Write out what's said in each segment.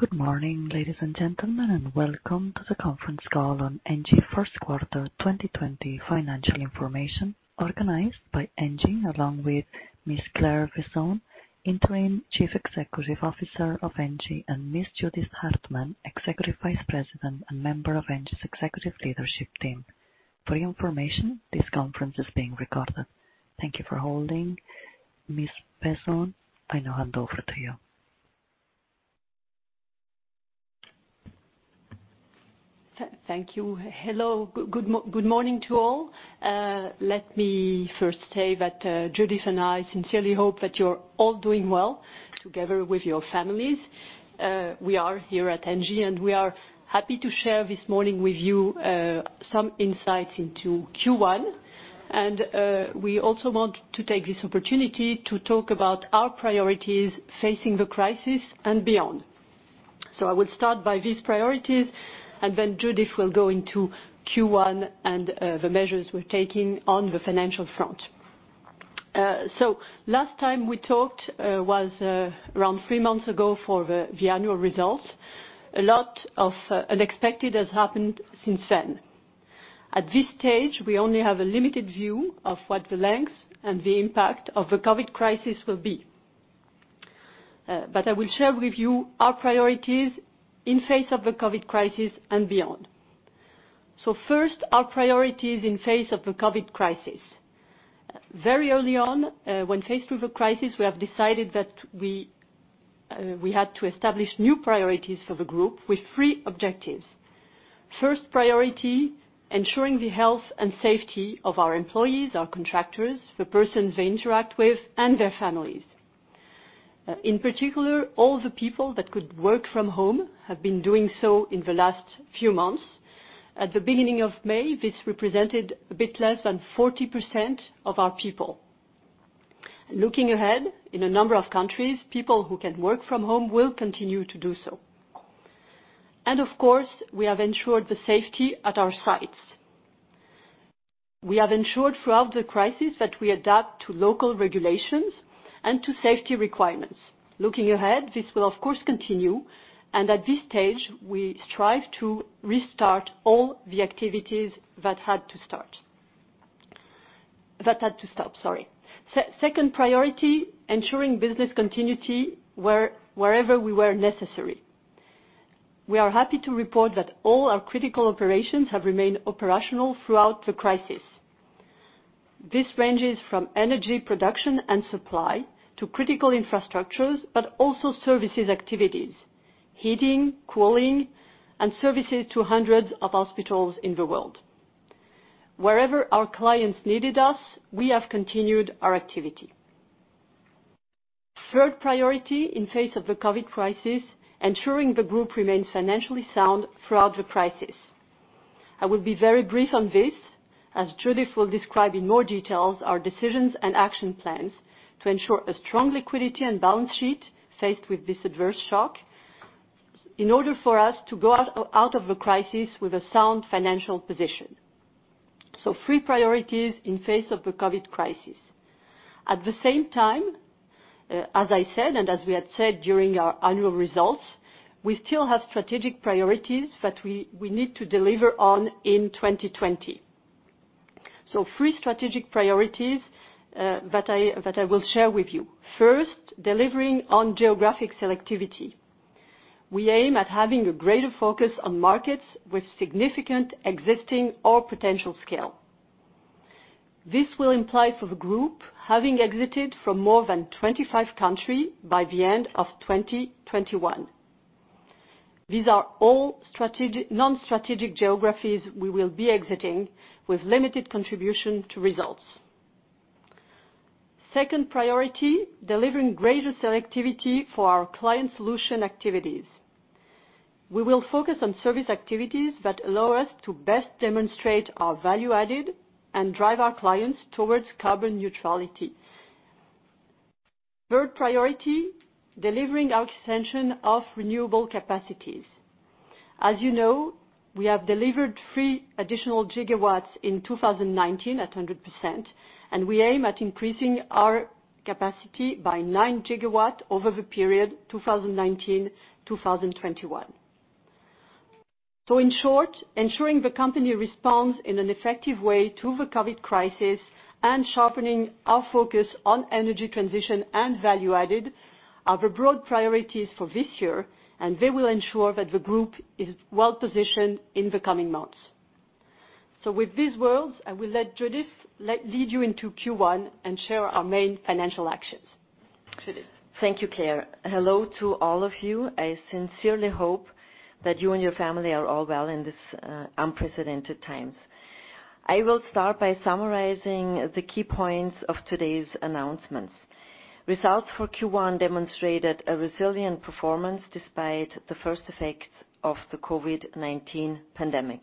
Good morning, ladies and gentlemen, and welcome to the conference call on ENGIE Q1 2020 financial information, organized by ENGIE, along with Ms. Claire Waysand, Interim Chief Executive Officer of ENGIE, and Ms. Judith Hartmann, Executive Vice President and member of ENGIE's Executive Leadership Team. For your information, this conference is being recorded. Thank you for holding. Ms. Waysand, I now hand over to you. Thank you. Hello, good morning to all. Let me first say that Judith and I sincerely hope that you're all doing well together with your families. We are here at ENGIE, and we are happy to share this morning with you some insights into Q1, and we also want to take this opportunity to talk about our priorities facing the crisis and beyond, so I will start by these priorities, and then Judith will go into Q1 and the measures we're taking on the financial front, so last time we talked was around three months ago for the annual results. A lot of unexpected has happened since then. At this stage, we only have a limited view of what the length and the impact of the COVID crisis will be, but I will share with you our priorities in face of the COVID crisis and beyond. First, our priorities in the face of the COVID-19 crisis. Very early on, when faced with the crisis, we have decided that we had to establish new priorities for the group with three objectives. First priority, ensuring the health and safety of our employees, our contractors, the persons they interact with, and their families. In particular, all the people that could work from home have been doing so in the last few months. At the beginning of May, this represented a bit less than 40% of our people. Looking ahead, in a number of countries, people who can work from home will continue to do so. And of course, we have ensured the safety at our sites. We have ensured throughout the crisis that we adapt to local regulations and to safety requirements. Looking ahead, this will of course continue. And at this stage, we strive to restart all the activities that had to stop. Second priority, ensuring business continuity wherever we were necessary. We are happy to report that all our critical operations have remained operational throughout the crisis. This ranges from energy production and supply to critical infrastructures, but also services activities, heating, cooling, and services to hundreds of hospitals in the world. Wherever our clients needed us, we have continued our activity. Third priority, in face of the COVID crisis, ensuring the group remains financially sound throughout the crisis. I will be very brief on this, as Judith will describe in more detail our decisions and action plans to ensure a strong liquidity and balance sheet faced with this adverse shock in order for us to go out of the crisis with a sound financial position. So three priorities in face of the COVID crisis. At the same time, as I said, and as we had said during our annual results, we still have strategic priorities that we need to deliver on in 2020. So three strategic priorities that I will share with you. First, delivering on geographic selectivity. We aim at having a greater focus on markets with significant existing or potential scale. This will imply for the group having exited from more than 25 countries by the end of 2021. These are all non-strategic geographies we will be exiting with limited contribution to results. Second priority, delivering greater selectivity for our Client Solutions activities. We will focus on service activities that allow us to best demonstrate our value added and drive our clients towards carbon neutrality. Third priority, delivering our extension of renewable capacities. As you know, we have delivered three additional gigawatts in 2019 at 100%, and we aim at increasing our capacity by nine gigawatts over the period 2019-2021. So in short, ensuring the company responds in an effective way to the COVID crisis and sharpening our focus on energy transition and value added are the broad priorities for this year, and they will ensure that the group is well positioned in the coming months. So with these words, I will let Judith lead you into Q1 and share our main financial actions. Judith. Thank you, Claire. Hello to all of you. I sincerely hope that you and your family are all well in these unprecedented times. I will start by summarizing the key points of today's announcements. Results for Q1 demonstrated a resilient performance despite the first effects of the COVID-19 pandemic.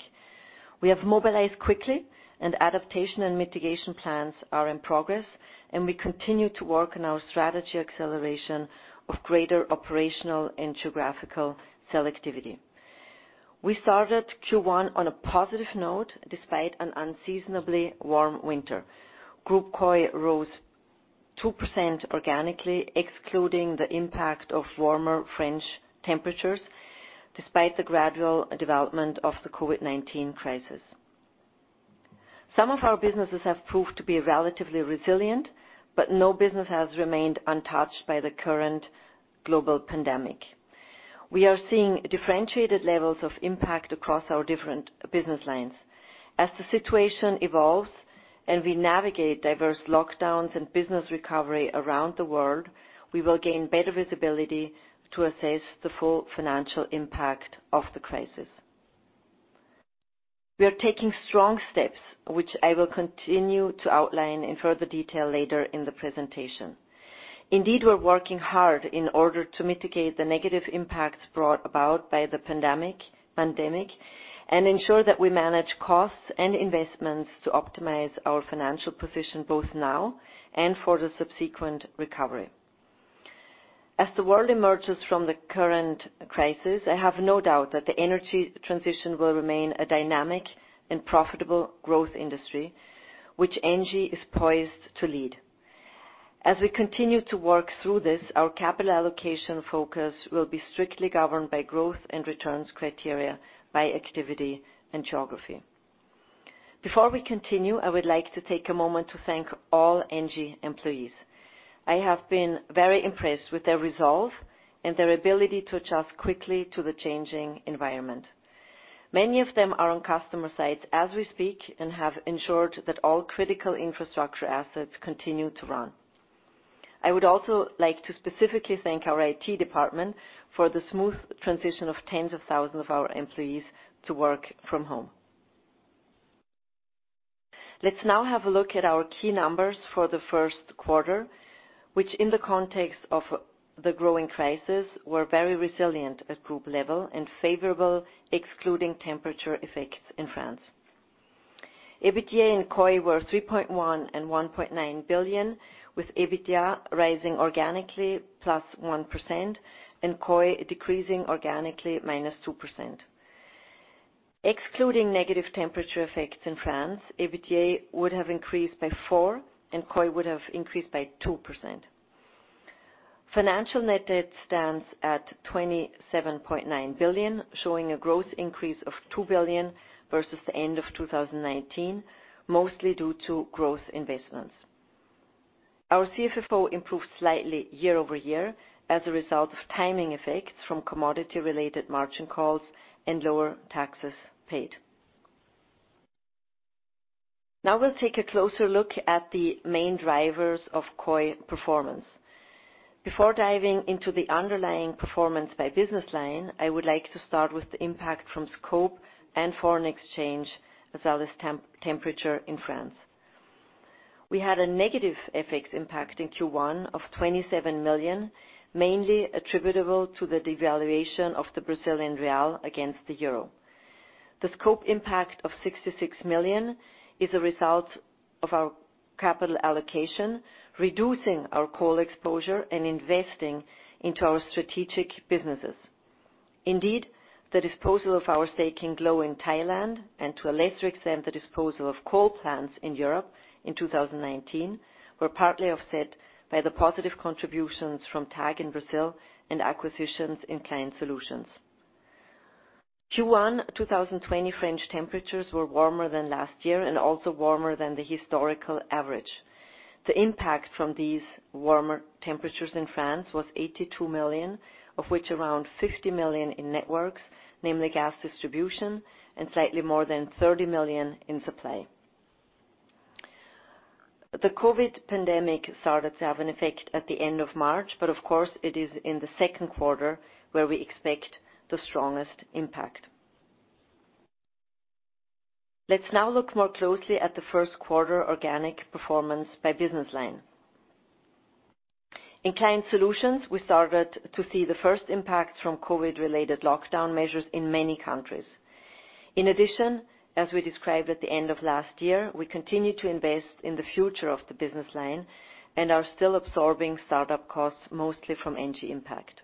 We have mobilized quickly, and adaptation and mitigation plans are in progress, and we continue to work on our strategy acceleration of greater operational and geographical selectivity. We started Q1 on a positive note despite an unseasonably warm winter. Group COI rose 2% organically, excluding the impact of warmer French temperatures despite the gradual development of the COVID-19 crisis. Some of our businesses have proved to be relatively resilient, but no business has remained untouched by the current global pandemic. We are seeing differentiated levels of impact across our different business lines. As the situation evolves and we navigate diverse lockdowns and business recovery around the world, we will gain better visibility to assess the full financial impact of the crisis. We are taking strong steps, which I will continue to outline in further detail later in the presentation. Indeed, we're working hard in order to mitigate the negative impacts brought about by the pandemic and ensure that we manage costs and investments to optimize our financial position both now and for the subsequent recovery. As the world emerges from the current crisis, I have no doubt that the energy transition will remain a dynamic and profitable growth industry, which ENGIE is poised to lead. As we continue to work through this, our capital allocation focus will be strictly governed by growth and returns criteria by activity and geography. Before we continue, I would like to take a moment to thank all ENGIE employees. I have been very impressed with their resolve and their ability to adjust quickly to the changing environment. Many of them are on customer sites as we speak and have ensured that all critical infrastructure assets continue to run. I would also like to specifically thank our IT department for the smooth transition of tens of thousands of our employees to work from home. Let's now have a look at our key numbers for the Q1, which in the context of the growing crisis were very resilient at group level and favorable, excluding temperature effects in France. EBITDA and COI were 3.1 billion and 1.9 billion, with EBITDA rising organically plus 1% and COI decreasing organically -2%. Excluding negative temperature effects in France, EBITDA would have increased by 4% and COI would have increased by 2%. Financial net debt stands at 27.9 billion, showing a gross increase of 2 billion versus the end of 2019, mostly due to gross investments. Our CFFO improved slightly year over year as a result of timing effects from commodity-related margin calls and lower taxes paid. Now we'll take a closer look at the main drivers of COI performance. Before diving into the underlying performance by business line, I would like to start with the impact from scope and foreign exchange as well as temperature in France. We had a negative effects impact in Q1 of 27 million, mainly attributable to the devaluation of the Brazilian real against the euro. The scope impact of 66 million is a result of our capital allocation, reducing our coal exposure and investing into our strategic businesses. Indeed, the disposal of our stake in Glow in Thailand and to a lesser extent the disposal of coal plants in Europe in 2019 were partly offset by the positive contributions from TAG in Brazil and acquisitions in Client Solutions. Q1 2020 French temperatures were warmer than last year and also warmer than the historical average. The impact from these warmer temperatures in France was 82 million, of which around 50 million in Networks, namely gas distribution, and slightly more than 30 million in Supply. The COVID pandemic started to have an effect at the end of March, but of course, it is in the Q2 where we expect the strongest impact. Let's now look more closely at the Q1 organic performance by business line. In Client Solutions, we started to see the first impacts from COVID-related lockdown measures in many countries. In addition, as we described at the end of last year, we continue to invest in the future of the business line and are still absorbing startup costs mostly from ENGIE Impact.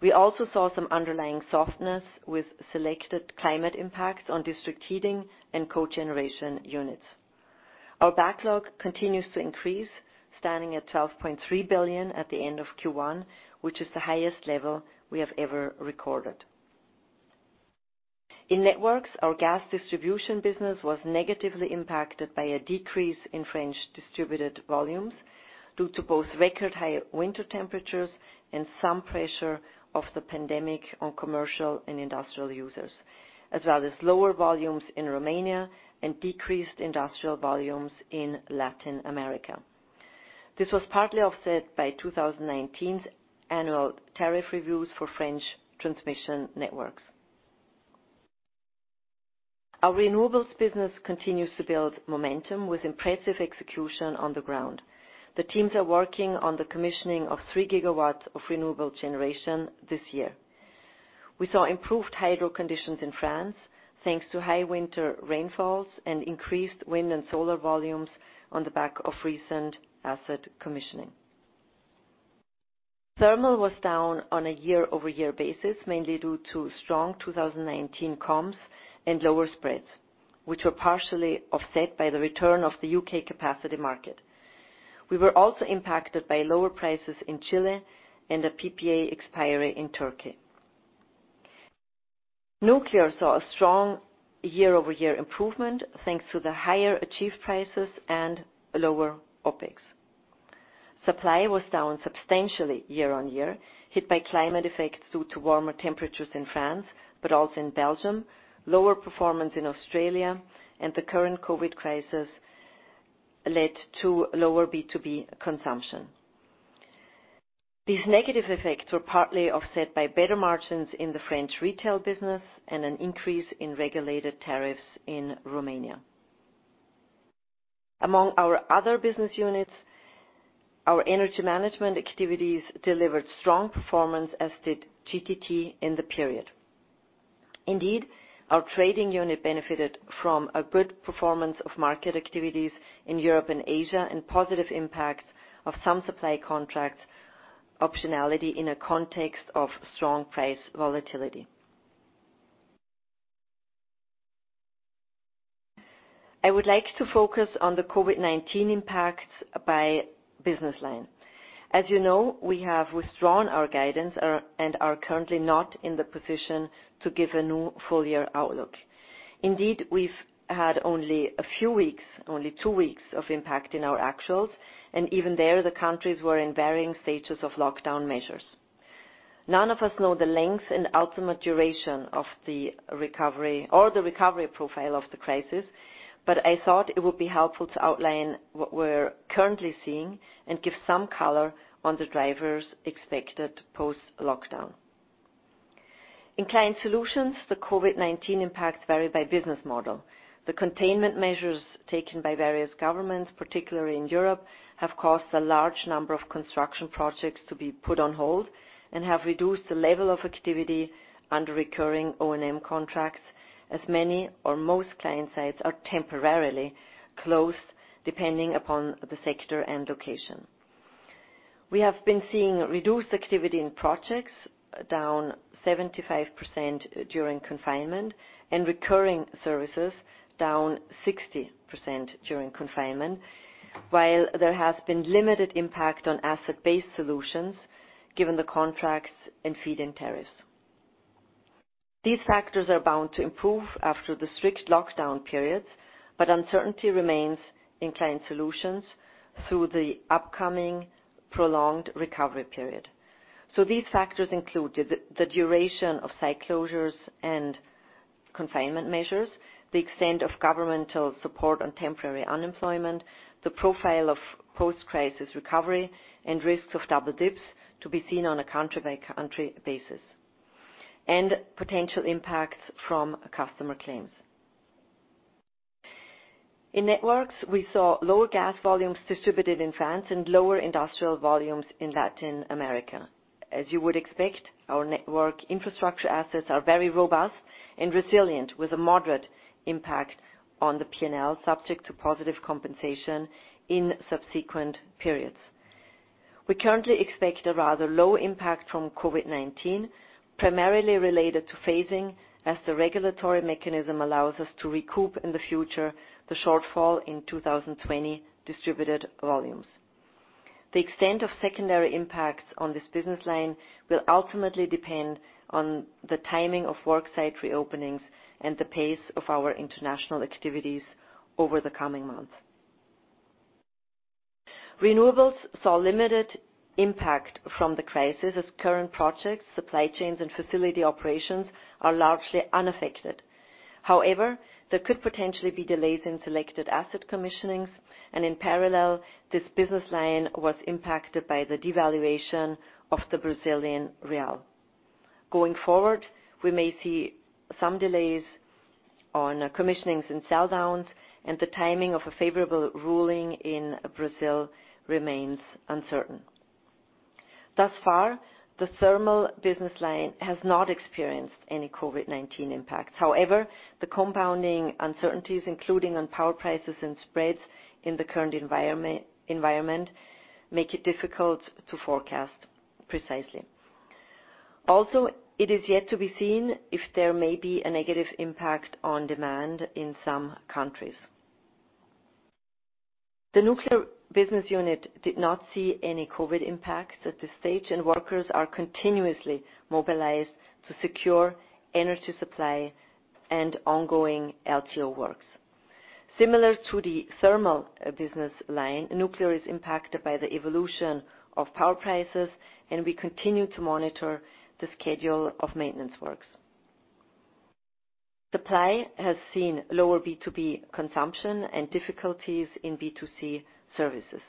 We also saw some underlying softness with selected climate impacts on district heating and cogeneration units. Our backlog continues to increase, standing at 12.3 billion at the end of Q1, which is the highest level we have ever recorded. In Networks, our gas distribution business was negatively impacted by a decrease in French distributed volumes due to both record high winter temperatures and some pressure of the pandemic on commercial and industrial users, as well as lower volumes in Romania and decreased industrial volumes in Latin America. This was partly offset by 2019's annual tariff reviews for French transmission networks. Our Renewables business continues to build momentum with impressive execution on the ground. The teams are working on the commissioning of three gigawatts of renewable generation this year. We saw improved hydro conditions in France thanks to high winter rainfalls and increased wind and solar volumes on the back of recent asset commissioning. Thermal was down on a year-over-year basis, mainly due to strong 2019 comps and lower spreads, which were partially offset by the return of the U.K. capacity market. We were also impacted by lower prices in Chile and a PPA expiry in Turkey. Nuclear saw a strong year-over-year improvement thanks to the higher achieved prices and lower OPEX. Supply was down substantially year on year, hit by climate effects due to warmer temperatures in France, but also in Belgium, lower performance in Australia, and the current COVID-19 crisis led to lower B2B consumption. These negative effects were partly offset by better margins in the French retail business and an increase in regulated tariffs in Romania. Among our other business units, our energy management activities delivered strong performance as did GTT in the period. Indeed, our trading unit benefited from a good performance of market activities in Europe and Asia and positive impact of some supply contract optionality in a context of strong price volatility. I would like to focus on the COVID-19 impacts by business line. As you know, we have withdrawn our guidance and are currently not in the position to give a new full year outlook. Indeed, we've had only a few weeks, only two weeks of impact in our actuals, and even there, the countries were in varying stages of lockdown measures. None of us know the length and ultimate duration of the recovery or the recovery profile of the crisis, but I thought it would be helpful to outline what we're currently seeing and give some color on the drivers expected post-lockdown. In Client Solutions, the COVID-19 impacts vary by business model. The containment measures taken by various governments, particularly in Europe, have caused a large number of construction projects to be put on hold and have reduced the level of activity under recurring O&M contracts as many or most client sites are temporarily closed depending upon the sector and location. We have been seeing reduced activity in projects down 75% during confinement and recurring services down 60% during confinement, while there has been limited impact on asset-based solutions given the contracts and feed-in tariffs. These factors are bound to improve after the strict lockdown periods, but uncertainty remains in Client Solutions through the upcoming prolonged recovery period. These factors include the duration of site closures and confinement measures, the extent of governmental support on temporary unemployment, the profile of post-crisis recovery, and risks of double dips to be seen on a country-by-country basis, and potential impacts from customer claims. In Networks, we saw lower gas volumes distributed in France and lower industrial volumes in Latin America. As you would expect, our network infrastructure assets are very robust and resilient with a moderate impact on the P&L subject to positive compensation in subsequent periods. We currently expect a rather low impact from COVID-19, primarily related to phasing as the regulatory mechanism allows us to recoup in the future the shortfall in 2020 distributed volumes. The extent of secondary impacts on this business line will ultimately depend on the timing of worksite reopenings and the pace of our international activities over the coming months. Renewables saw limited impact from the crisis as current projects, supply chains, and facility operations are largely unaffected. However, there could potentially be delays in selected asset commissioning, and in parallel, this business line was impacted by the devaluation of the Brazilian real. Going forward, we may see some delays on commissioning and sell-downs, and the timing of a favorable ruling in Brazil remains uncertain. Thus far, the thermal business line has not experienced any COVID-19 impacts. However, the compounding uncertainties, including on power prices and spreads in the current environment, make it difficult to forecast precisely. Also, it is yet to be seen if there may be a negative impact on demand in some countries. The nuclear business unit did not see any COVID impacts at this stage, and workers are continuously mobilized to secure energy supply and ongoing LTO works. Similar to the thermal business line, nuclear is impacted by the evolution of power prices, and we continue to monitor the schedule of maintenance works. Supply has seen lower B2B consumption and difficulties in B2C services.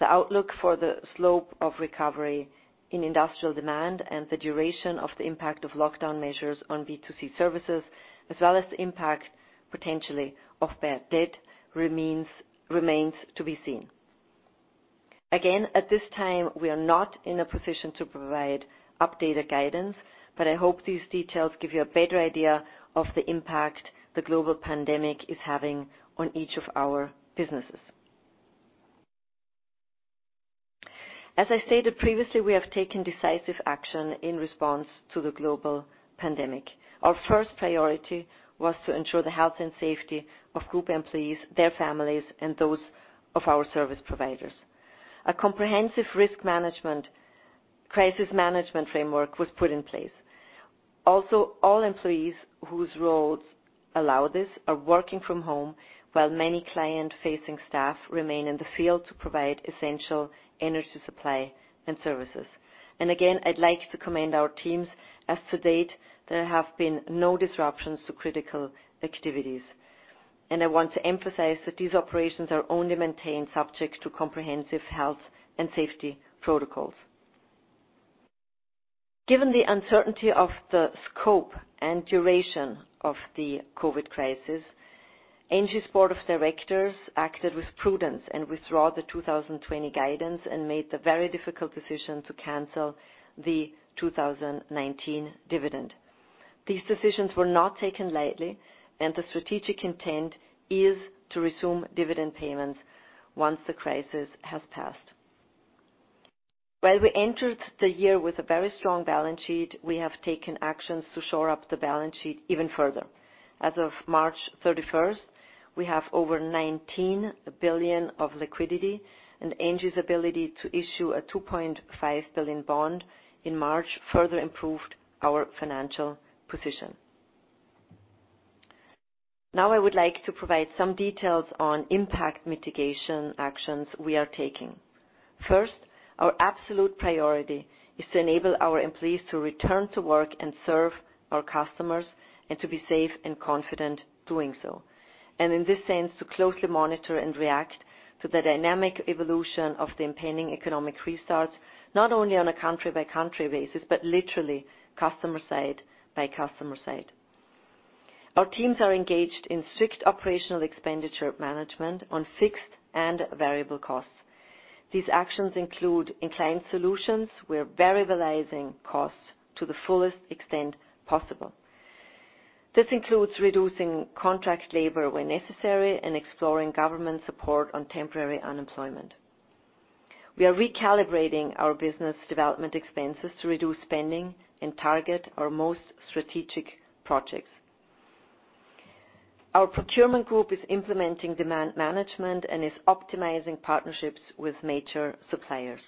The outlook for the slope of recovery in industrial demand and the duration of the impact of lockdown measures on B2C services, as well as the impact potentially of bad debt, remains to be seen. Again, at this time, we are not in a position to provide updated guidance, but I hope these details give you a better idea of the impact the global pandemic is having on each of our businesses. As I stated previously, we have taken decisive action in response to the global pandemic. Our first priority was to ensure the health and safety of group employees, their families, and those of our service providers. A comprehensive risk management crisis management framework was put in place. Also, all employees whose roles allow this are working from home, while many client-facing staff remain in the field to provide essential energy supply and services, and again, I'd like to commend our teams as to date there have been no disruptions to critical activities, and I want to emphasize that these operations are only maintained subject to comprehensive health and safety protocols. Given the uncertainty of the scope and duration of the COVID crisis, ENGIE's board of directors acted with prudence and withdraw the 2020 guidance and made the very difficult decision to cancel the 2019 dividend. These decisions were not taken lightly, and the strategic intent is to resume dividend payments once the crisis has passed. While we entered the year with a very strong balance sheet, we have taken actions to shore up the balance sheet even further. As of March 31st, we have over 19 billion of liquidity, and ENGIE's ability to issue a 2.5 billion bond in March further improved our financial position. Now, I would like to provide some details on impact mitigation actions we are taking. First, our absolute priority is to enable our employees to return to work and serve our customers and to be safe and confident doing so, and in this sense, to closely monitor and react to the dynamic evolution of the impending economic restarts, not only on a country-by-country basis, but literally customer side by customer side. Our teams are engaged in strict operational expenditure management on fixed and variable costs. These actions include in Client Solutions, we're variabilizing costs to the fullest extent possible. This includes reducing contract labor when necessary and exploring government support on temporary unemployment. We are recalibrating our business development expenses to reduce spending and target our most strategic projects. Our procurement group is implementing demand management and is optimizing partnerships with major suppliers.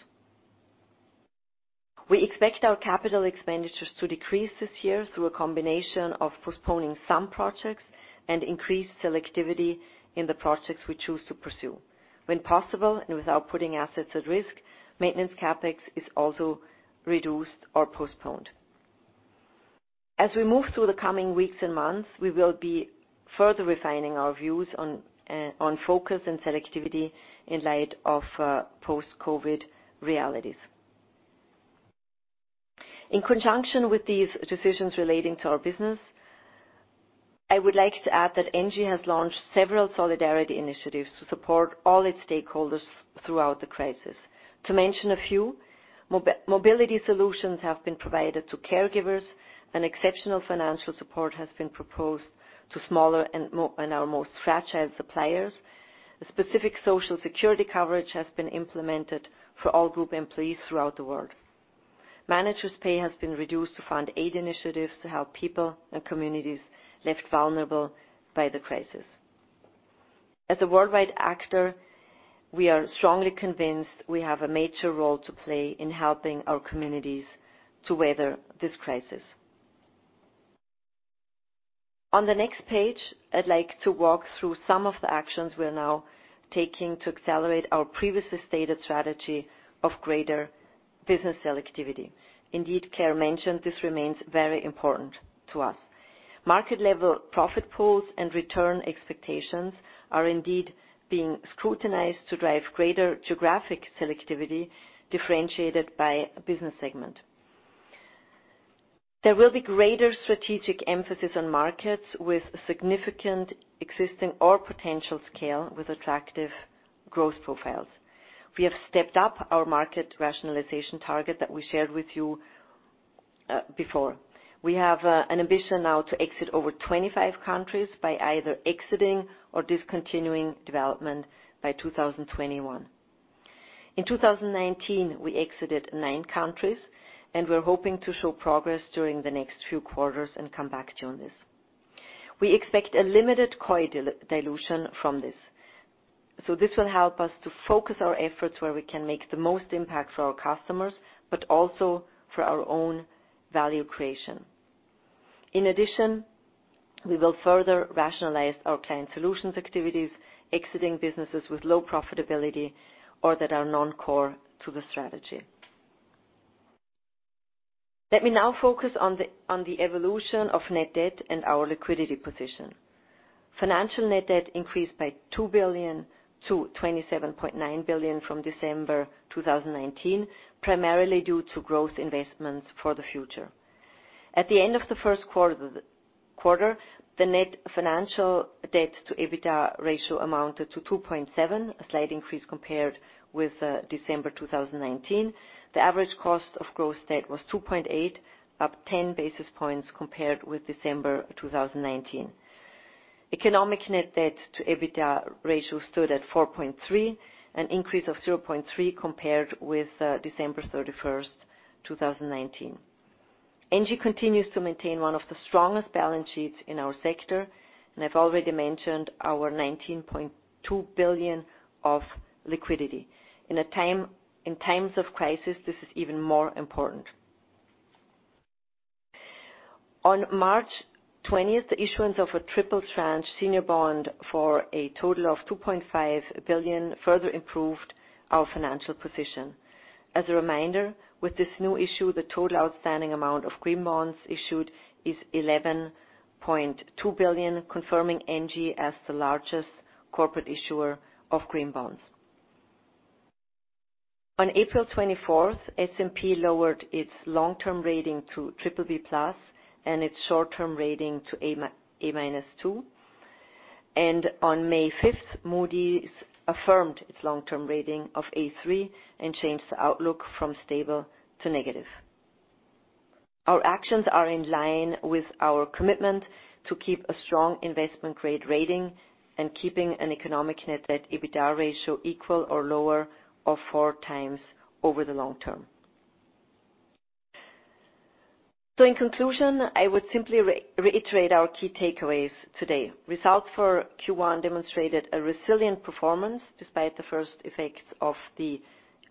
We expect our capital expenditures to decrease this year through a combination of postponing some projects and increased selectivity in the projects we choose to pursue. When possible and without putting assets at risk, Maintenance Capex is also reduced or postponed. As we move through the coming weeks and months, we will be further refining our views on focus and selectivity in light of post-COVID realities. In conjunction with these decisions relating to our business, I would like to add that ENGIE has launched several solidarity initiatives to support all its stakeholders throughout the crisis. To mention a few, mobility solutions have been provided to caregivers, and exceptional financial support has been proposed to smaller and our most fragile suppliers. A specific social security coverage has been implemented for all group employees throughout the world. Managers' pay has been reduced to fund aid initiatives to help people and communities left vulnerable by the crisis. As a worldwide actor, we are strongly convinced we have a major role to play in helping our communities to weather this crisis. On the next page, I'd like to walk through some of the actions we're now taking to accelerate our previously stated strategy of greater business selectivity. Indeed, Claire mentioned this remains very important to us. Market-level profit pools and return expectations are indeed being scrutinized to drive greater geographic selectivity differentiated by business segment. There will be greater strategic emphasis on markets with significant existing or potential scale with attractive growth profiles. We have stepped up our market rationalization target that we shared with you before. We have an ambition now to exit over 25 countries by either exiting or discontinuing development by 2021. In 2019, we exited nine countries, and we're hoping to show progress during the next few quarters and come back to you on this. We expect a limited COI dilution from this. So this will help us to focus our efforts where we can make the most impact for our customers, but also for our own value creation. In addition, we will further rationalize our Client Solutions activities, exiting businesses with low profitability or that are non-core to the strategy. Let me now focus on the evolution of net debt and our liquidity position. Financial net debt increased by two billion to 27.9 billion from December 2019, primarily due to growth investments for the future. At the end of the Q1, the net financial debt to EBITDA ratio amounted to 2.7, a slight increase compared with December 2019. The average cost of gross debt was 2.8, up 10 basis points compared with December 2019. Economic net debt to EBITDA ratio stood at 4.3, an increase of 0.3 compared with December 31st, 2019. ENGIE continues to maintain one of the strongest balance sheets in our sector, and I've already mentioned our 19.2 billion of liquidity. In times of crisis, this is even more important. On March 20th, the issuance of a triple tranche senior bond for a total of 2.5 billion further improved our financial position. As a reminder, with this new issue, the total outstanding amount of green bonds issued is 11.2 billion, confirming ENGIE as the largest corporate issuer of green bonds. On April 24th, S&P lowered its long-term rating to BBB plus and its short-term rating to A-2, and on May 5th, Moody's affirmed its long-term rating of A3 and changed the outlook from stable to negative. Our actions are in line with our commitment to keep a strong investment-grade rating and keeping an economic net debt/EBITDA ratio equal or lower of four times over the long term, so in conclusion, I would simply reiterate our key takeaways today. Results for Q1 demonstrated a resilient performance despite the first effects of the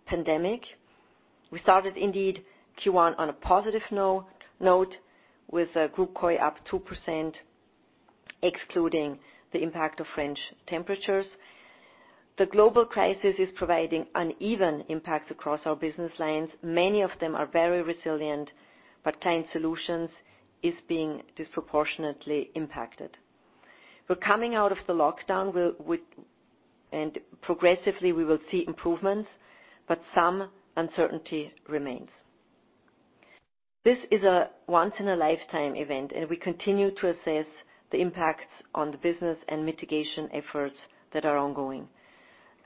pandemic. We started indeed Q1 on a positive note with a group COI up 2%, excluding the impact of French temperatures. The global crisis is providing uneven impacts across our business lines. Many of them are very resilient, but Client Solutions are being disproportionately impacted. We're coming out of the lockdown, and progressively we will see improvements, but some uncertainty remains. This is a once-in-a-lifetime event, and we continue to assess the impacts on the business and mitigation efforts that are ongoing.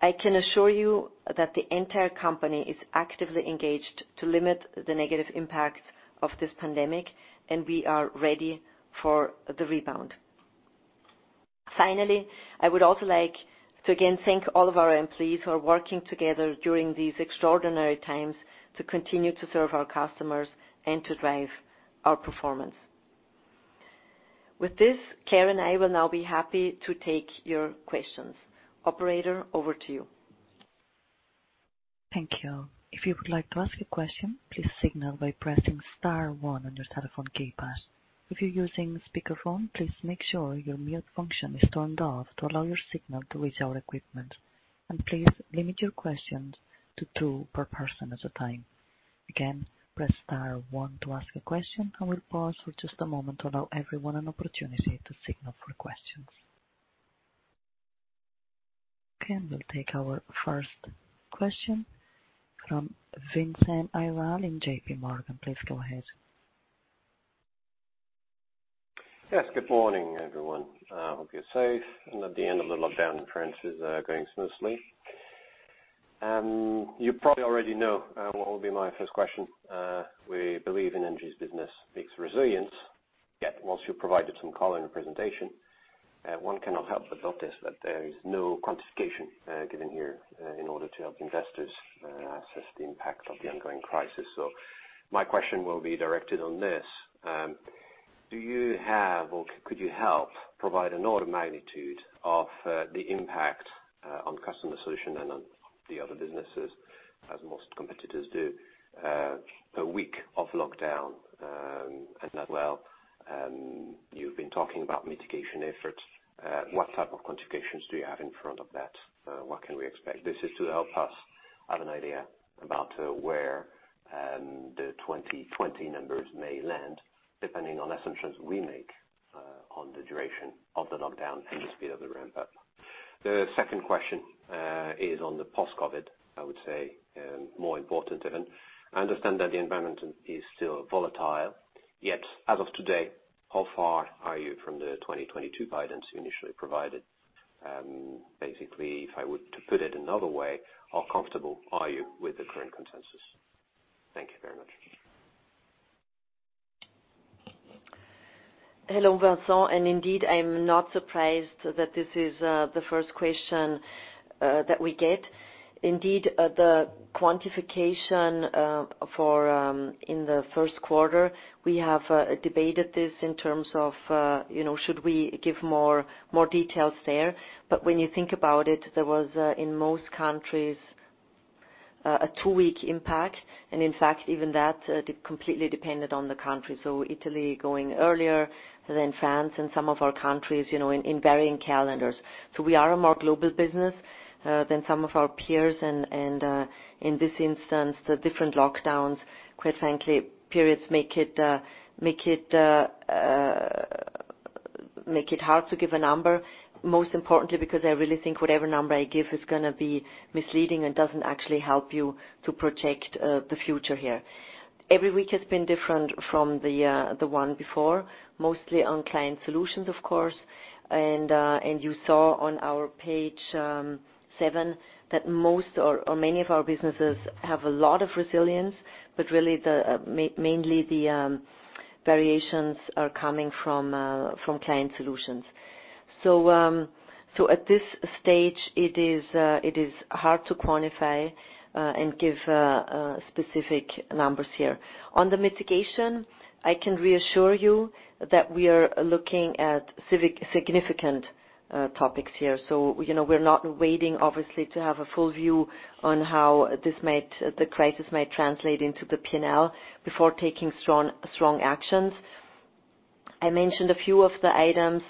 I can assure you that the entire company is actively engaged to limit the negative impacts of this pandemic, and we are ready for the rebound. Finally, I would also like to again thank all of our employees who are working together during these extraordinary times to continue to serve our customers and to drive our performance. With this, Claire and I will now be happy to take your questions. Operator, over to you. Thank you. If you would like to ask a question, please signal by pressing Star 1 on your telephone keypad. If you're using speakerphone, please make sure your mute function is turned off to allow your signal to reach our equipment. And please limit your questions to two per person at a time. Again, press Star 1 to ask a question, and we'll pause for just a moment to allow everyone an opportunity to signal for questions. Okay, and we'll take our first question from Vincent Ayral in JPMorgan. Please go ahead. Yes, good morning, everyone. I hope you're safe, and at the end of the lockdown, France is going smoothly. You probably already know what will be my first question. We believe in ENGIE's business, it's resilience, yet whilst you've provided some color in your presentation, one cannot help but notice that there is no quantification given here in order to help investors assess the impact of the ongoing crisis. So my question will be directed on this. Do you have, or could you help provide an order of magnitude of the impact on Client Solutions and on the other businesses, as most competitors do, a week of lockdown? And as well, you've been talking about mitigation efforts. What type of quantifications do you have in front of that? What can we expect? This is to help us have an idea about where the 2020 numbers may land, depending on assumptions we make on the duration of the lockdown and the speed of the ramp-up. The second question is on the post-COVID, I would say, more important even. I understand that the environment is still volatile, yet as of today, how far are you from the 2022 guidance you initially provided? Basically, if I were to put it another way, how comfortable are you with the current consensus? Thank you very much. Hello, Vincent, and indeed, I'm not surprised that this is the first question that we get. Indeed, the quantification in the Q1, we have debated this in terms of should we give more details there. But when you think about it, there was in most countries a two-week impact, and in fact, even that completely depended on the country, so Italy going earlier than France and some of our countries in varying calendars, so we are a more global business than some of our peers, and in this instance, the different lockdowns, quite frankly, periods make it hard to give a number, most importantly because I really think whatever number I give is going to be misleading and doesn't actually help you to project the future here. Every week has been different from the one before, mostly on client solutions, of course. And you saw on our page seven that most or many of our businesses have a lot of resilience, but really mainly the variations are coming from Client Solutions. So at this stage, it is hard to quantify and give specific numbers here. On the mitigation, I can reassure you that we are looking at significant topics here. So we're not waiting, obviously, to have a full view on how the crisis might translate into the P&L before taking strong actions. I mentioned a few of the items,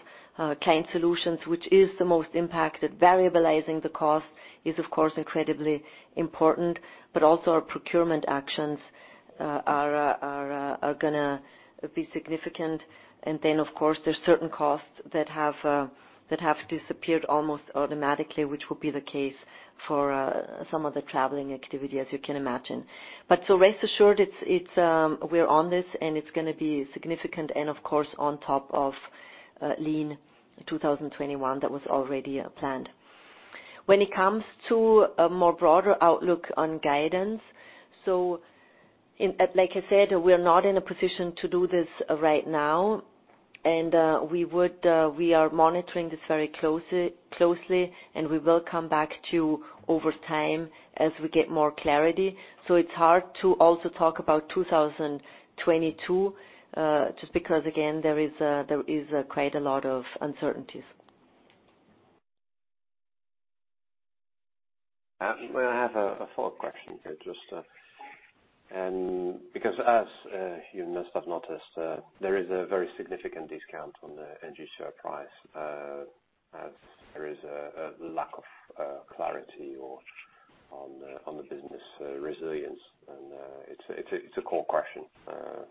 Client Solutions, which is the most impacted. Variabilizing the cost is, of course, incredibly important, but also our procurement actions are going to be significant. And then, of course, there are certain costs that have disappeared almost automatically, which will be the case for some of the traveling activity, as you can imagine. But so rest assured, we're on this, and it's going to be significant and, of course, on top of Lean 2021 that was already planned. When it comes to a more broader outlook on guidance, so like I said, we're not in a position to do this right now, and we are monitoring this very closely, and we will come back to over time as we get more clarity. So it's hard to also talk about 2022 just because, again, there is quite a lot of uncertainties. May I have a follow-up question here just because, as you must have noticed, there is a very significant discount on the ENGIE share price as there is a lack of clarity on the business resilience, and it's a core question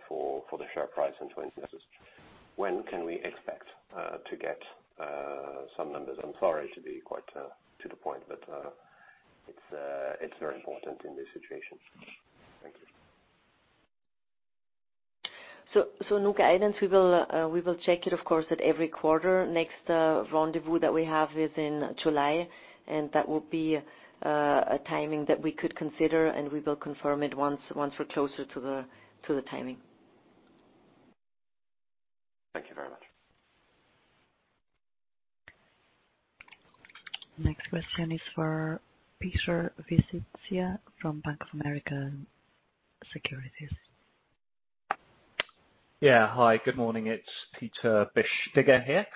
for the share price and for investors. When can we expect to get some numbers? I'm sorry to be quite to the point, but it's very important in this situation. Thank you. So, new guidance, we will check it, of course, at every quarter. Next rendezvous that we have is in July, and that will be a timing that we could consider, and we will confirm it once we're closer to the timing. Thank you very much. Next question is for Peter Bisztyga from Bank of America Securities. Yeah, hi, good morning. It's Peter Bisztyga here.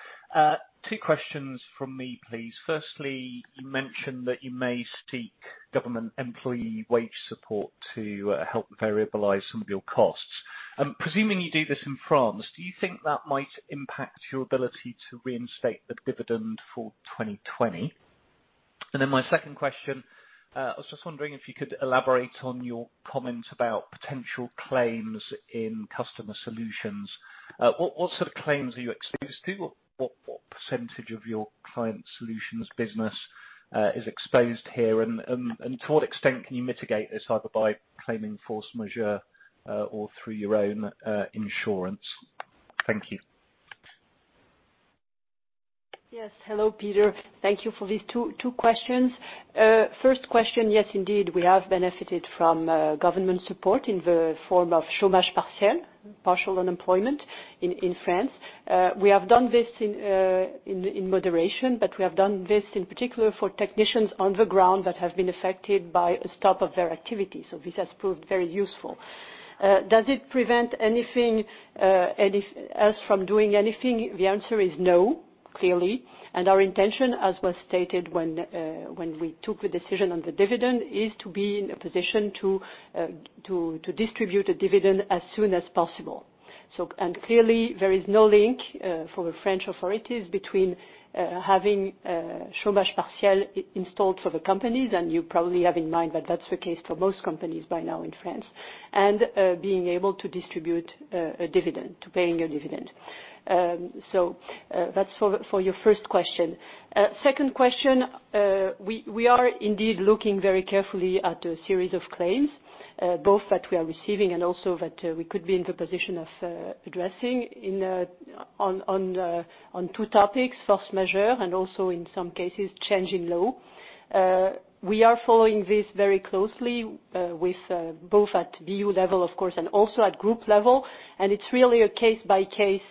Two questions from me, please. Firstly, you mentioned that you may seek government employee wage support to help variabilize some of your costs. Presuming you do this in France, do you think that might impact your ability to reinstate the dividend for 2020? And then my second question, I was just wondering if you could elaborate on your comments about potential claims in Client Solutions. What sort of claims are you exposed to? What percentage of your Client Solutions business is exposed here, and to what extent can you mitigate this, either by claiming force majeure or through your own insurance? Thank you. Yes, hello, Peter. Thank you for these two questions. First question, yes, indeed, we have benefited from government support in the form of chômage partiel, partial unemployment in France. We have done this in moderation, but we have done this in particular for technicians on the ground that have been affected by a stop of their activity. So this has proved very useful. Does it prevent us from doing anything? The answer is no, clearly. And our intention, as was stated when we took the decision on the dividend, is to be in a position to distribute a dividend as soon as possible. And clearly, there is no link for French authorities between having chômage partiel installed for the companies, and you probably have in mind that that's the case for most companies by now in France, and being able to distribute a dividend, to paying a dividend. So that's for your first question. Second question, we are indeed looking very carefully at a series of claims, both that we are receiving and also that we could be in the position of addressing on two topics, force majeure and also in some cases change in law. We are following this very closely with both at BU level, of course, and also at group level. And it's really a case-by-case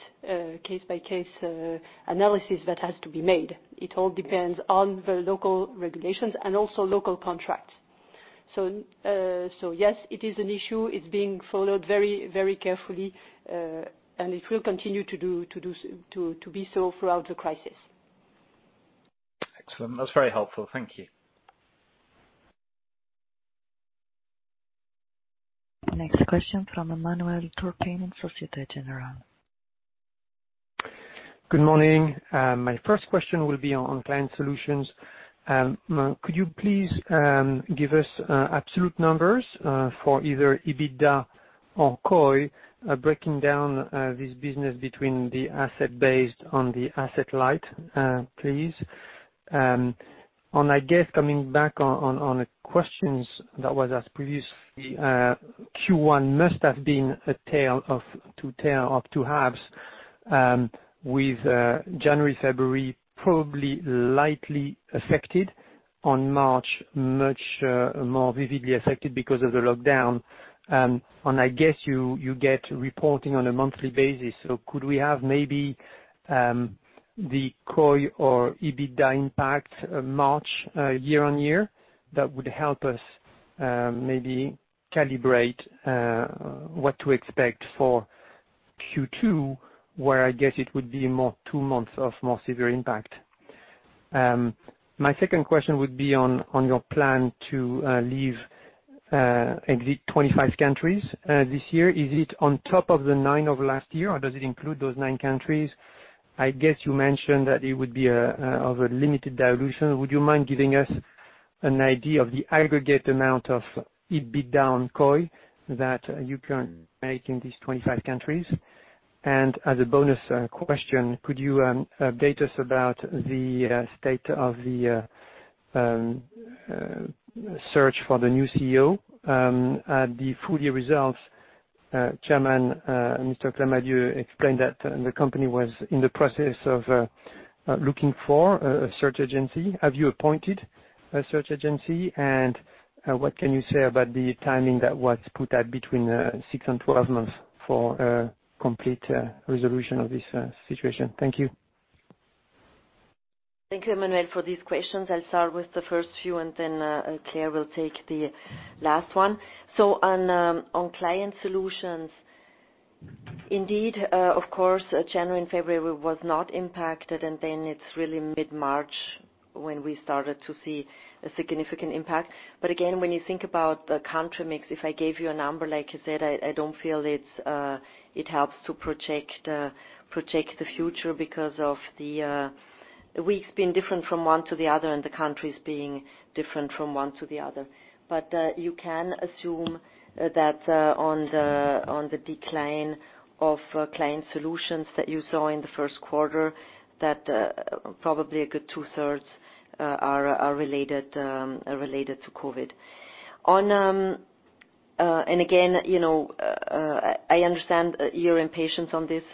analysis that has to be made. It all depends on the local regulations and also local contracts. So yes, it is an issue. It's being followed very, very carefully, and it will continue to be so throughout the crisis. Excellent. That's very helpful. Thank you. Next question from Emmanuel Turpin and Société Générale. Good morning. My first question will be on Client Solutions. Could you please give us absolute numbers for either EBITDA or COI, breaking down this business between the asset-based and the asset-light, please? And I guess coming back on the questions that were asked previously, Q1 must have been a tale of two halves, with January, February probably lightly affected, on March, much more vividly affected because of the lockdown. And I guess you get reporting on a monthly basis. So could we have maybe the COI or EBITDA impact March year on year? That would help us maybe calibrate what to expect for Q2, where I guess it would be two months of more severe impact. My second question would be on your plan to leave 25 countries this year. Is it on top of the nine of last year, or does it include those nine countries? I guess you mentioned that it would be of a limited dilution. Would you mind giving us an idea of the aggregate amount of EBITDA and COI that you can make in these 25 countries? And as a bonus question, could you update us about the state of the search for the new CEO? The full year results, Chairman Mr. Clamadieu explained that the company was in the process of looking for a search agency. Have you appointed a search agency? And what can you say about the timing that was put out between six and 12 months for complete resolution of this situation? Thank you. Thank you, Emmanuel, for these questions. I'll start with the first few, and then Claire will take the last one. So on Client Solutions, indeed, of course, January and February was not impacted, and then it's really mid-March when we started to see a significant impact. But again, when you think about the country mix, if I gave you a number, like I said, I don't feel it helps to project the future because of the weeks being different from one to the other and the countries being different from one to the other. But you can assume that on the decline of Client Solutions that you saw in the Q1, that probably a good two-thirds are related to COVID. And again, I understand your impatience on this.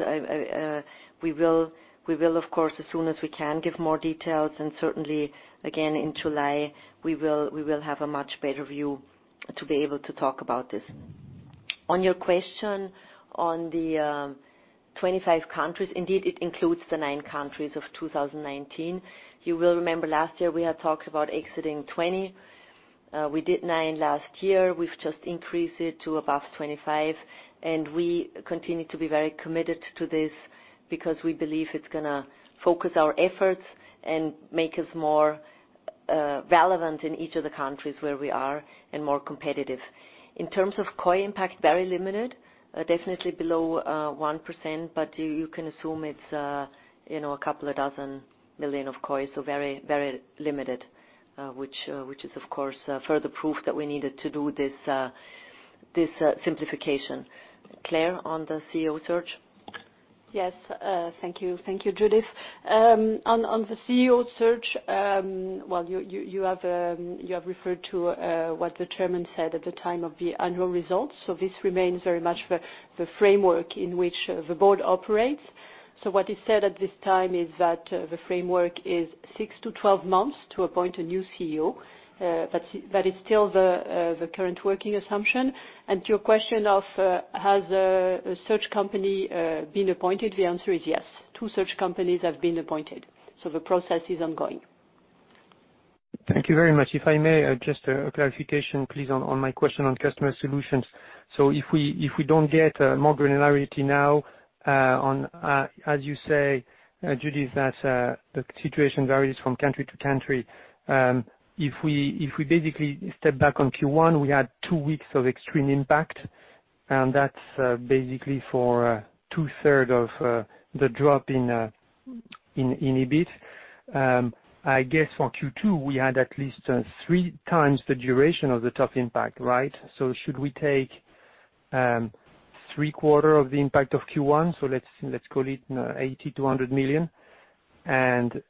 We will, of course, as soon as we can, give more details, and certainly, again, in July, we will have a much better view to be able to talk about this. On your question on the 25 countries, indeed, it includes the nine countries of 2019. You will remember last year we had talked about exiting 20. We did nine last year. We've just increased it to above 25, and we continue to be very committed to this because we believe it's going to focus our efforts and make us more relevant in each of the countries where we are and more competitive. In terms of COI impact, very limited, definitely below 1%, but you can assume it's a couple of dozen million of COI, so very limited, which is, of course, further proof that we needed to do this simplification. Claire, on the CEO search? Yes, thank you. Thank you, Judith. On the CEO search, well, you have referred to what the chairman said at the time of the annual results. So this remains very much the framework in which the board operates. So what is said at this time is that the framework is six to 12 months to appoint a new CEO, but it's still the current working assumption. And to your question of has a search company been appointed, the answer is yes. Two search companies have been appointed. So the process is ongoing. Thank you very much. If I may, just a clarification, please, on my question on customer solutions. So if we don't get more granularity now, as you say, Judith, that the situation varies from country to country. If we basically step back on Q1, we had two weeks of extreme impact, and that's basically for two-thirds of the drop in EBITDA. I guess for Q2, we had at least three times the duration of the tough impact, right? So should we take three-quarters of the impact of Q1, so let's call it 80 million to 100 million, and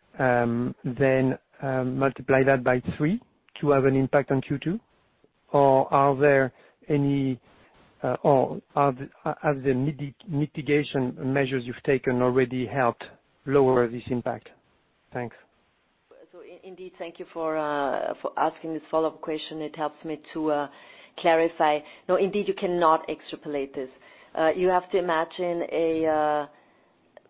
then multiply that by three to have an impact on Q2? Or are there any mitigation measures you've taken already helped lower this impact? Thanks. So indeed, thank you for asking this follow-up question. It helps me to clarify. No, indeed, you cannot extrapolate this. You have to imagine a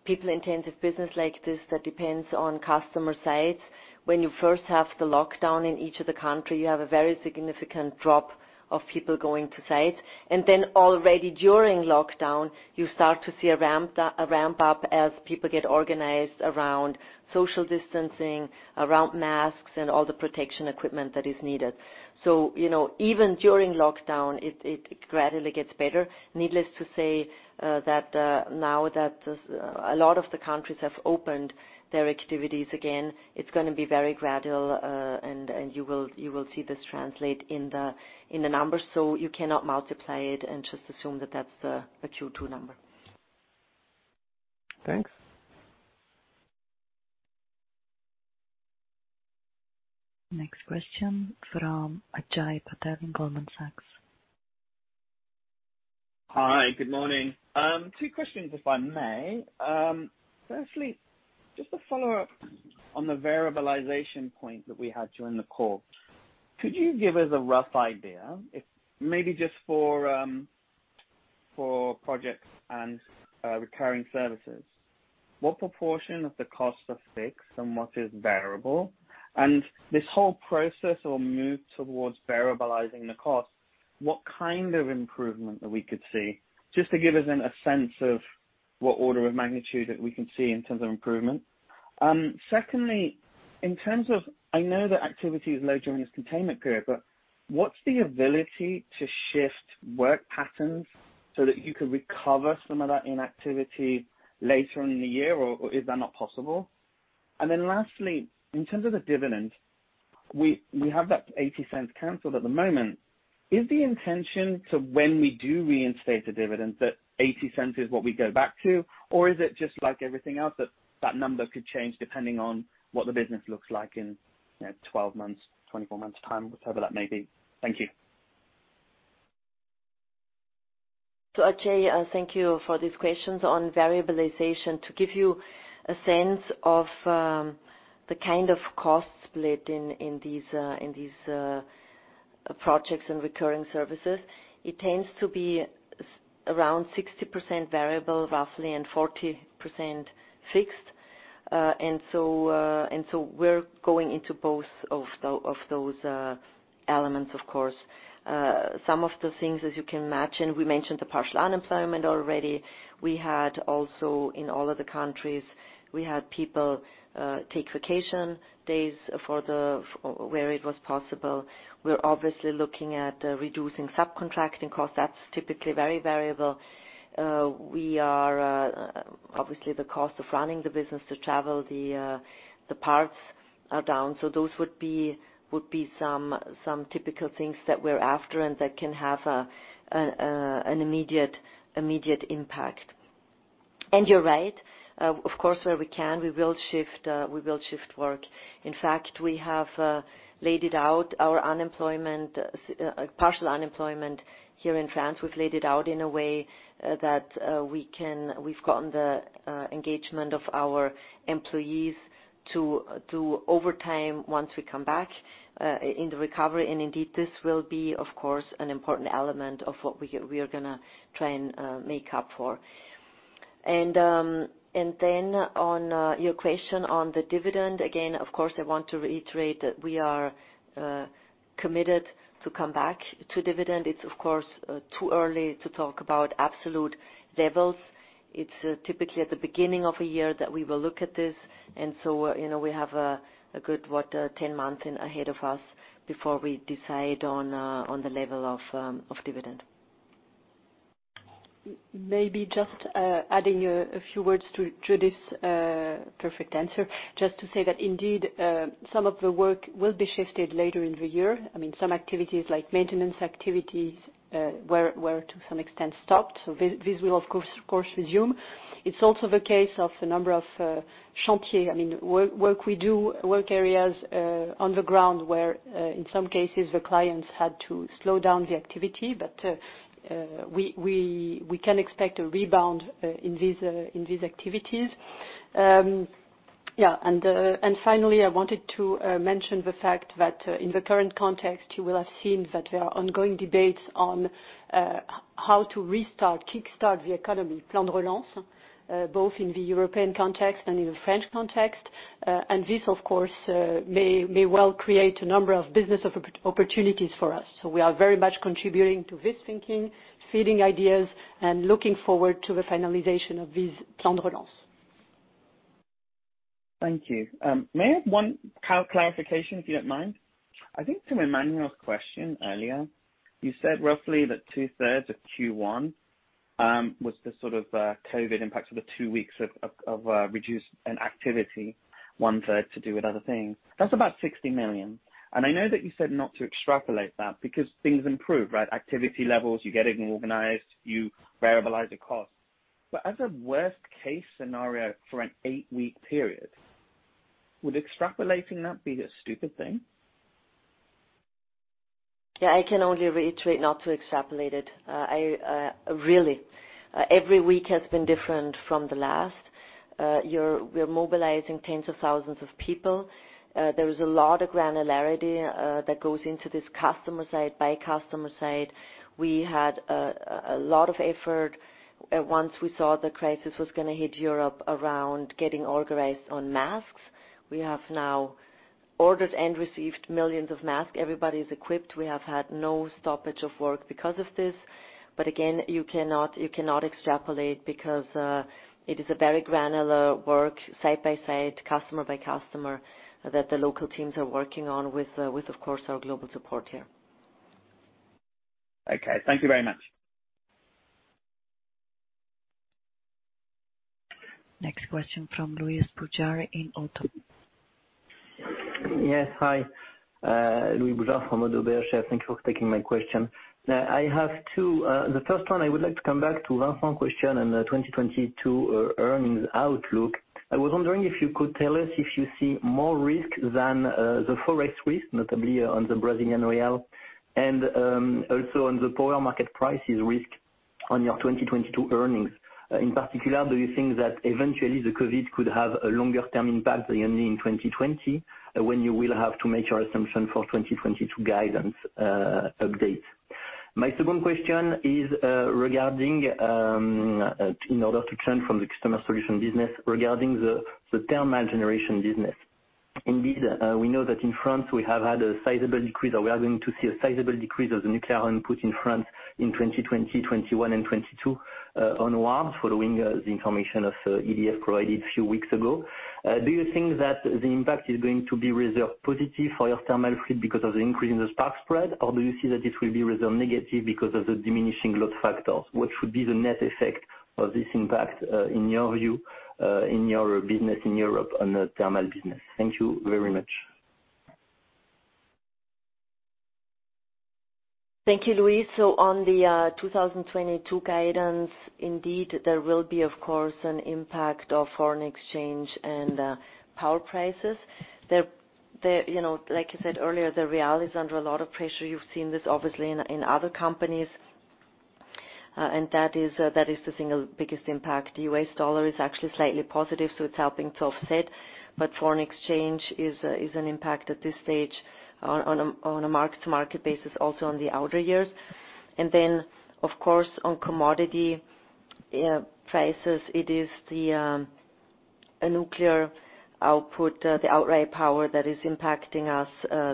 people-intensive business like this that depends on customer sites. When you first have the lockdown in each of the countries, you have a very significant drop of people going to sites. And then already during lockdown, you start to see a ramp-up as people get organized around social distancing, around masks, and all the protection equipment that is needed. So even during lockdown, it gradually gets better. Needless to say that now that a lot of the countries have opened their activities again, it's going to be very gradual, and you will see this translate in the numbers. So you cannot multiply it and just assume that that's the Q2 number. Thanks. Next question from Ajay Patel in Goldman Sachs. Hi, good morning. Two questions, if I may. Firstly, just a follow-up on the variabilization point that we had during the call. Could you give us a rough idea, maybe just for projects and recurring services? What proportion of the costs are fixed and what is variable? And this whole process will move towards variabilizing the costs. What kind of improvement that we could see? Just to give us a sense of what order of magnitude that we can see in terms of improvement. Secondly, in terms of, I know that activity is low during this containment period, but what's the ability to shift work patterns so that you could recover some of that inactivity later in the year, or is that not possible? And then lastly, in terms of the dividend, we have that 0.80 canceled at the moment. Is the intention to when we do reinstate the dividend that 0.80 is what we go back to, or is it just like everything else that that number could change depending on what the business looks like in 12 months, 24 months' time, whatever that may be? Thank you. Ajay, thank you for these questions on variabilization. To give you a sense of the kind of cost split in these projects and recurring services, it tends to be around 60% variable, roughly, and 40% fixed. We're going into both of those elements, of course. Some of the things, as you can imagine, we mentioned the partial unemployment already. We had also, in all of the countries, we had people take vacation days where it was possible. We're obviously looking at reducing subcontracting costs. That's typically very variable. We are, obviously, the cost of running the business to travel, the parts are down. Those would be some typical things that we're after and that can have an immediate impact. You're right. Of course, where we can, we will shift work. In fact, we have laid out our partial unemployment here in France. We've laid it out in a way that we've gotten the engagement of our employees to overtime once we come back in the recovery, and indeed this will be, of course, an important element of what we are going to try and make up for, and then on your question on the dividend, again of course I want to reiterate that we are committed to come back to dividend. It's, of course, too early to talk about absolute levels. It's typically at the beginning of a year that we will look at this, and so we have a good, what, 10 months ahead of us before we decide on the level of dividend. Maybe just adding a few words to this perfect answer, just to say that indeed, some of the work will be shifted later in the year. I mean, some activities like maintenance activities were to some extent stopped. So these will, of course, resume. It's also the case of a number of chantiers, I mean, work areas on the ground where, in some cases, the clients had to slow down the activity, but we can expect a rebound in these activities. Yeah. And finally, I wanted to mention the fact that in the current context, you will have seen that there are ongoing debates on how to restart, kickstart the economy, Plan de relance, both in the European context and in the French context. And this, of course, may well create a number of business opportunities for us. So we are very much contributing to this thinking, feeding ideas, and looking forward to the finalization of this Plan de relance. Thank you. May I have one clarification, if you don't mind? I think to Emmanuel's question earlier, you said roughly that two-thirds of Q1 was the sort of COVID impact of the two weeks of reduced activity, one-third to do with other things. That's about 60 million. And I know that you said not to extrapolate that because things improve, right? Activity levels, you get it organized, you variabilize the costs. But as a worst-case scenario for an eight-week period, would extrapolating that be a stupid thing? Yeah, I can only reiterate not to extrapolate it. Really, every week has been different from the last. We're mobilizing tens of thousands of people. There is a lot of granularity that goes into this customer side, by customer side. We had a lot of effort once we saw the crisis was going to hit Europe around getting organized on masks. We have now ordered and received millions of masks. Everybody is equipped. We have had no stoppage of work because of this. But again, you cannot extrapolate because it is a very granular work, side by side, customer by customer, that the local teams are working on with, of course, our global support here. Okay. Thank you very much. Next question from Louis Boujard at ODDO. Yes, hi. Louis Boujard from ODDO BHF. Thank you for taking my question. I have two. The first one, I would like to come back to Vincent's question and the 2022 earnings outlook. I was wondering if you could tell us if you see more risk than the forex risk, notably on the Brazilian real, and also on the power market prices risk on your 2022 earnings. In particular, do you think that eventually the COVID could have a longer-term impact than only in 2020 when you will have to make your assumption for 2022 guidance updates? My second question is regarding, in order to change from the customer solution business, regarding the thermal generation business. Indeed, we know that in France, we have had a sizable decrease. We are going to see a sizable decrease of the nuclear input in France in 2020, 2021, and 2022 onwards following the information from EDF provided a few weeks ago. Do you think that the impact is going to be rather positive for your thermal fleet because of the increase in the spark spread, or do you see that it will be rather negative because of the diminishing load factors? What should be the net effect of this impact in your view, in your business in Europe on the thermal business? Thank you very much. Thank you, Louis. So on the 2022 guidance, indeed, there will be, of course, an impact of foreign exchange and power prices. Like I said earlier, the real is under a lot of pressure. You've seen this, obviously, in other companies, and that is the single biggest impact. The US dollar is actually slightly positive, so it's helping to offset. But foreign exchange is an impact at this stage on a mark-to-market basis, also on the outer years. And then, of course, on commodity prices, it is a nuclear output, the outright power that is impacting us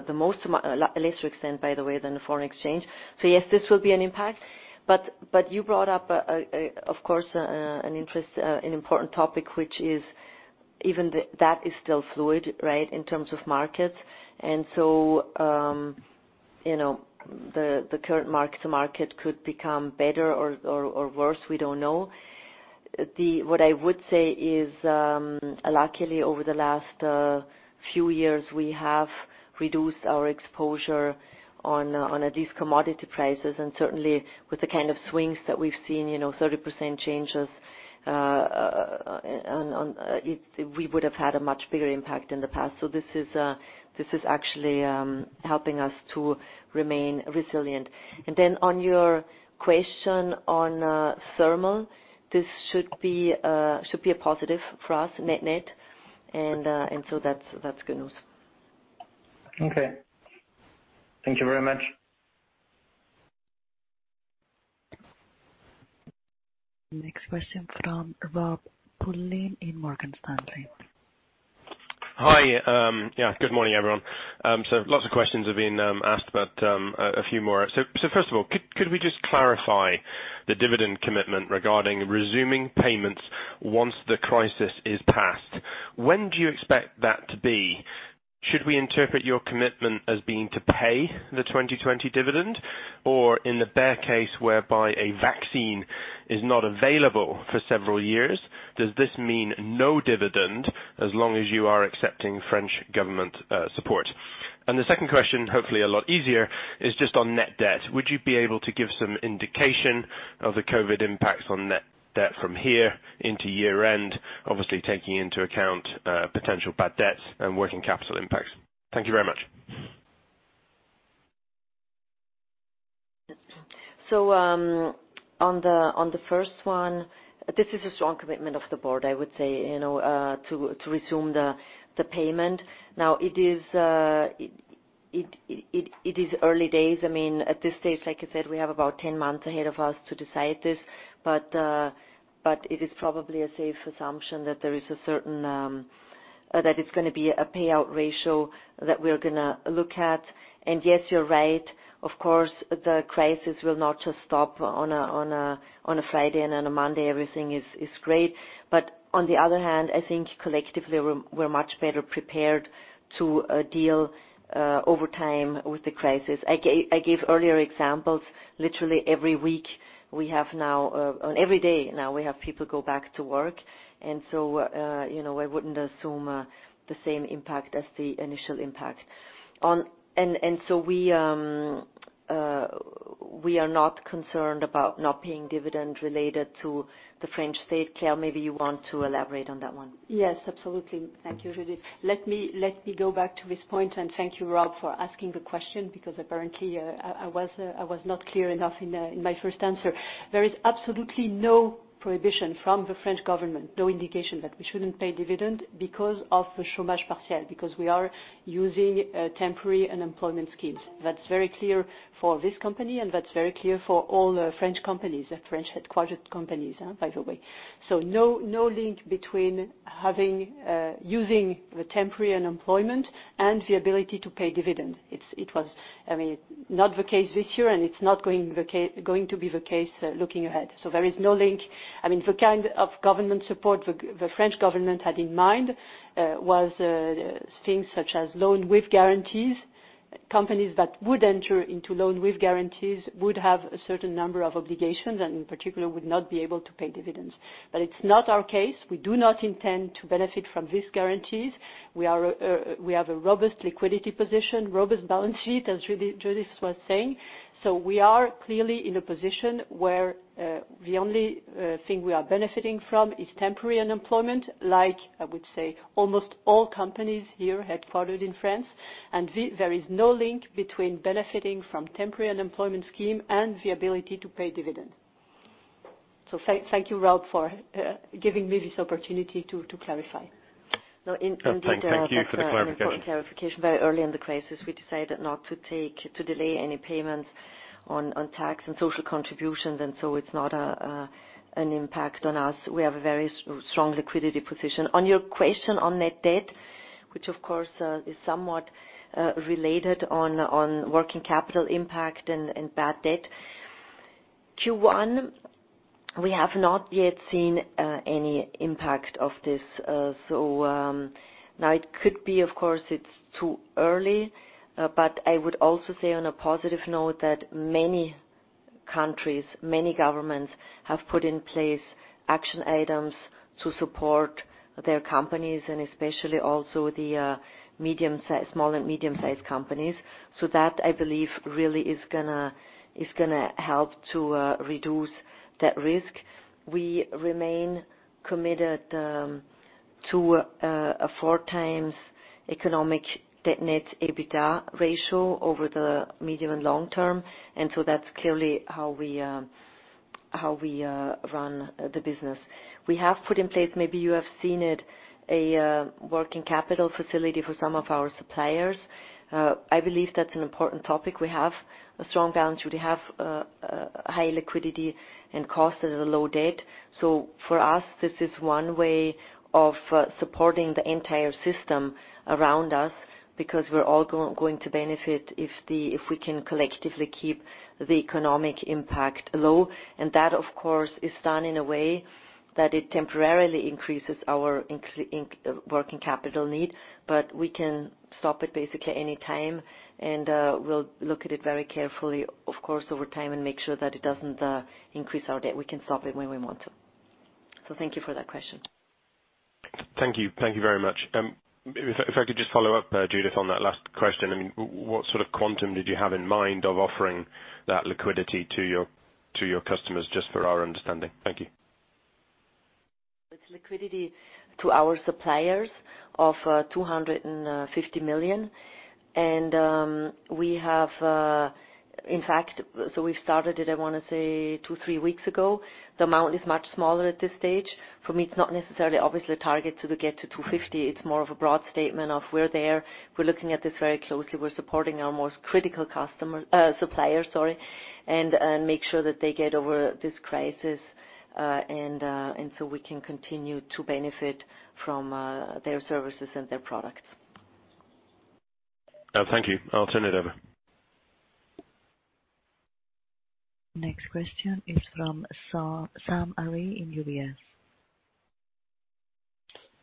the most, to a lesser extent, by the way, than the foreign exchange. So yes, this will be an impact. But you brought up, of course, an important topic, which is even that is still fluid, right, in terms of markets. And so the current mark-to-market could become better or worse. We don't know. What I would say is, luckily, over the last few years, we have reduced our exposure on these commodity prices. And certainly, with the kind of swings that we've seen, 30% changes, we would have had a much bigger impact in the past. So this is actually helping us to remain resilient. And then on your question on thermal, this should be a positive for us, net. And so that's good news. Okay. Thank you very much. Next question from Rob Pullen in Morgan Stanley. Hi. Yeah, good morning, everyone. So lots of questions have been asked, but a few more. So first of all, could we just clarify the dividend commitment regarding resuming payments once the crisis is passed? When do you expect that to be? Should we interpret your commitment as being to pay the 2020 dividend? Or in the bear case whereby a vaccine is not available for several years, does this mean no dividend as long as you are accepting French government support? And the second question, hopefully a lot easier, is just on net debt. Would you be able to give some indication of the COVID impacts on net debt from here into year-end, obviously taking into account potential bad debts and working capital impacts? Thank you very much. On the first one, this is a strong commitment of the board, I would say, to resume the payment. Now, it is early days. I mean, at this stage, like I said, we have about 10 months ahead of us to decide this. But it is probably a safe assumption that there is a certain that it's going to be a payout ratio that we're going to look at. And yes, you're right. Of course, the crisis will not just stop on a Friday and on a Monday. Everything is great. But on the other hand, I think collectively, we're much better prepared to deal over time with the crisis. I gave earlier examples. Literally, every week, now every day, we have people go back to work. And so I wouldn't assume the same impact as the initial impact. We are not concerned about not paying dividend related to the French state. Claire, maybe you want to elaborate on that one. Yes, absolutely. Thank you, Judith. Let me go back to this point, and thank you, Rob, for asking the question because apparently, I was not clear enough in my first answer. There is absolutely no prohibition from the French government, no indication that we shouldn't pay dividend because of the chômage partiel, because we are using temporary unemployment schemes. That's very clear for this company, and that's very clear for all French companies, French headquartered companies, by the way. So no link between using the temporary unemployment and the ability to pay dividend. It was, I mean, not the case this year, and it's not going to be the case looking ahead. So there is no link. I mean, the kind of government support the French government had in mind was things such as loans with guarantees. Companies that would enter into loans with guarantees would have a certain number of obligations and, in particular, would not be able to pay dividends, but it's not our case. We do not intend to benefit from these guarantees. We have a robust liquidity position, robust balance sheet, as Judith was saying. We are clearly in a position where the only thing we are benefiting from is temporary unemployment, like I would say almost all companies here headquartered in France. There is no link between benefiting from temporary unemployment scheme and the ability to pay dividends. Thank you, Rob, for giving me this opportunity to clarify. Thank you for the clarification. Very early in the crisis, we decided not to delay any payments on tax and social contributions, and so it's not an impact on us. We have a very strong liquidity position. On your question on net debt, which, of course, is somewhat related to working capital impact and bad debt, Q1, we have not yet seen any impact of this. So now it could be, of course, it's too early, but I would also say on a positive note that many countries, many governments have put in place action items to support their companies, and especially also the small and medium-sized companies. So that, I believe, really is going to help to reduce that risk. We remain committed to a four-times economic net EBITDA ratio over the medium and long term, and so that's clearly how we run the business. We have put in place, maybe you have seen it, a working capital facility for some of our suppliers. I believe that's an important topic. We have a strong balance sheet. We have high liquidity and low-cost debt, so for us, this is one way of supporting the entire system around us because we're all going to benefit if we can collectively keep the economic impact low, and that, of course, is done in a way that it temporarily increases our working capital need, but we can stop it basically any time, and we'll look at it very carefully, of course, over time and make sure that it doesn't increase our debt. We can stop it when we want to, so thank you for that question. Thank you. Thank you very much. If I could just follow up, Judith, on that last question. I mean, what sort of quantum did you have in mind of offering that liquidity to your customers, just for our understanding? Thank you. It's liquidity to our suppliers of 250 million, and we have, in fact, so we've started it. I want to say two, three weeks ago. The amount is much smaller at this stage. For me, it's not necessarily, obviously, a target to get to 250. It's more of a broad statement of we're there. We're looking at this very closely. We're supporting our most critical suppliers, sorry, and make sure that they get over this crisis and so we can continue to benefit from their services and their products. Thank you. I'll turn it over. Next question is from Sam Arie in UBS.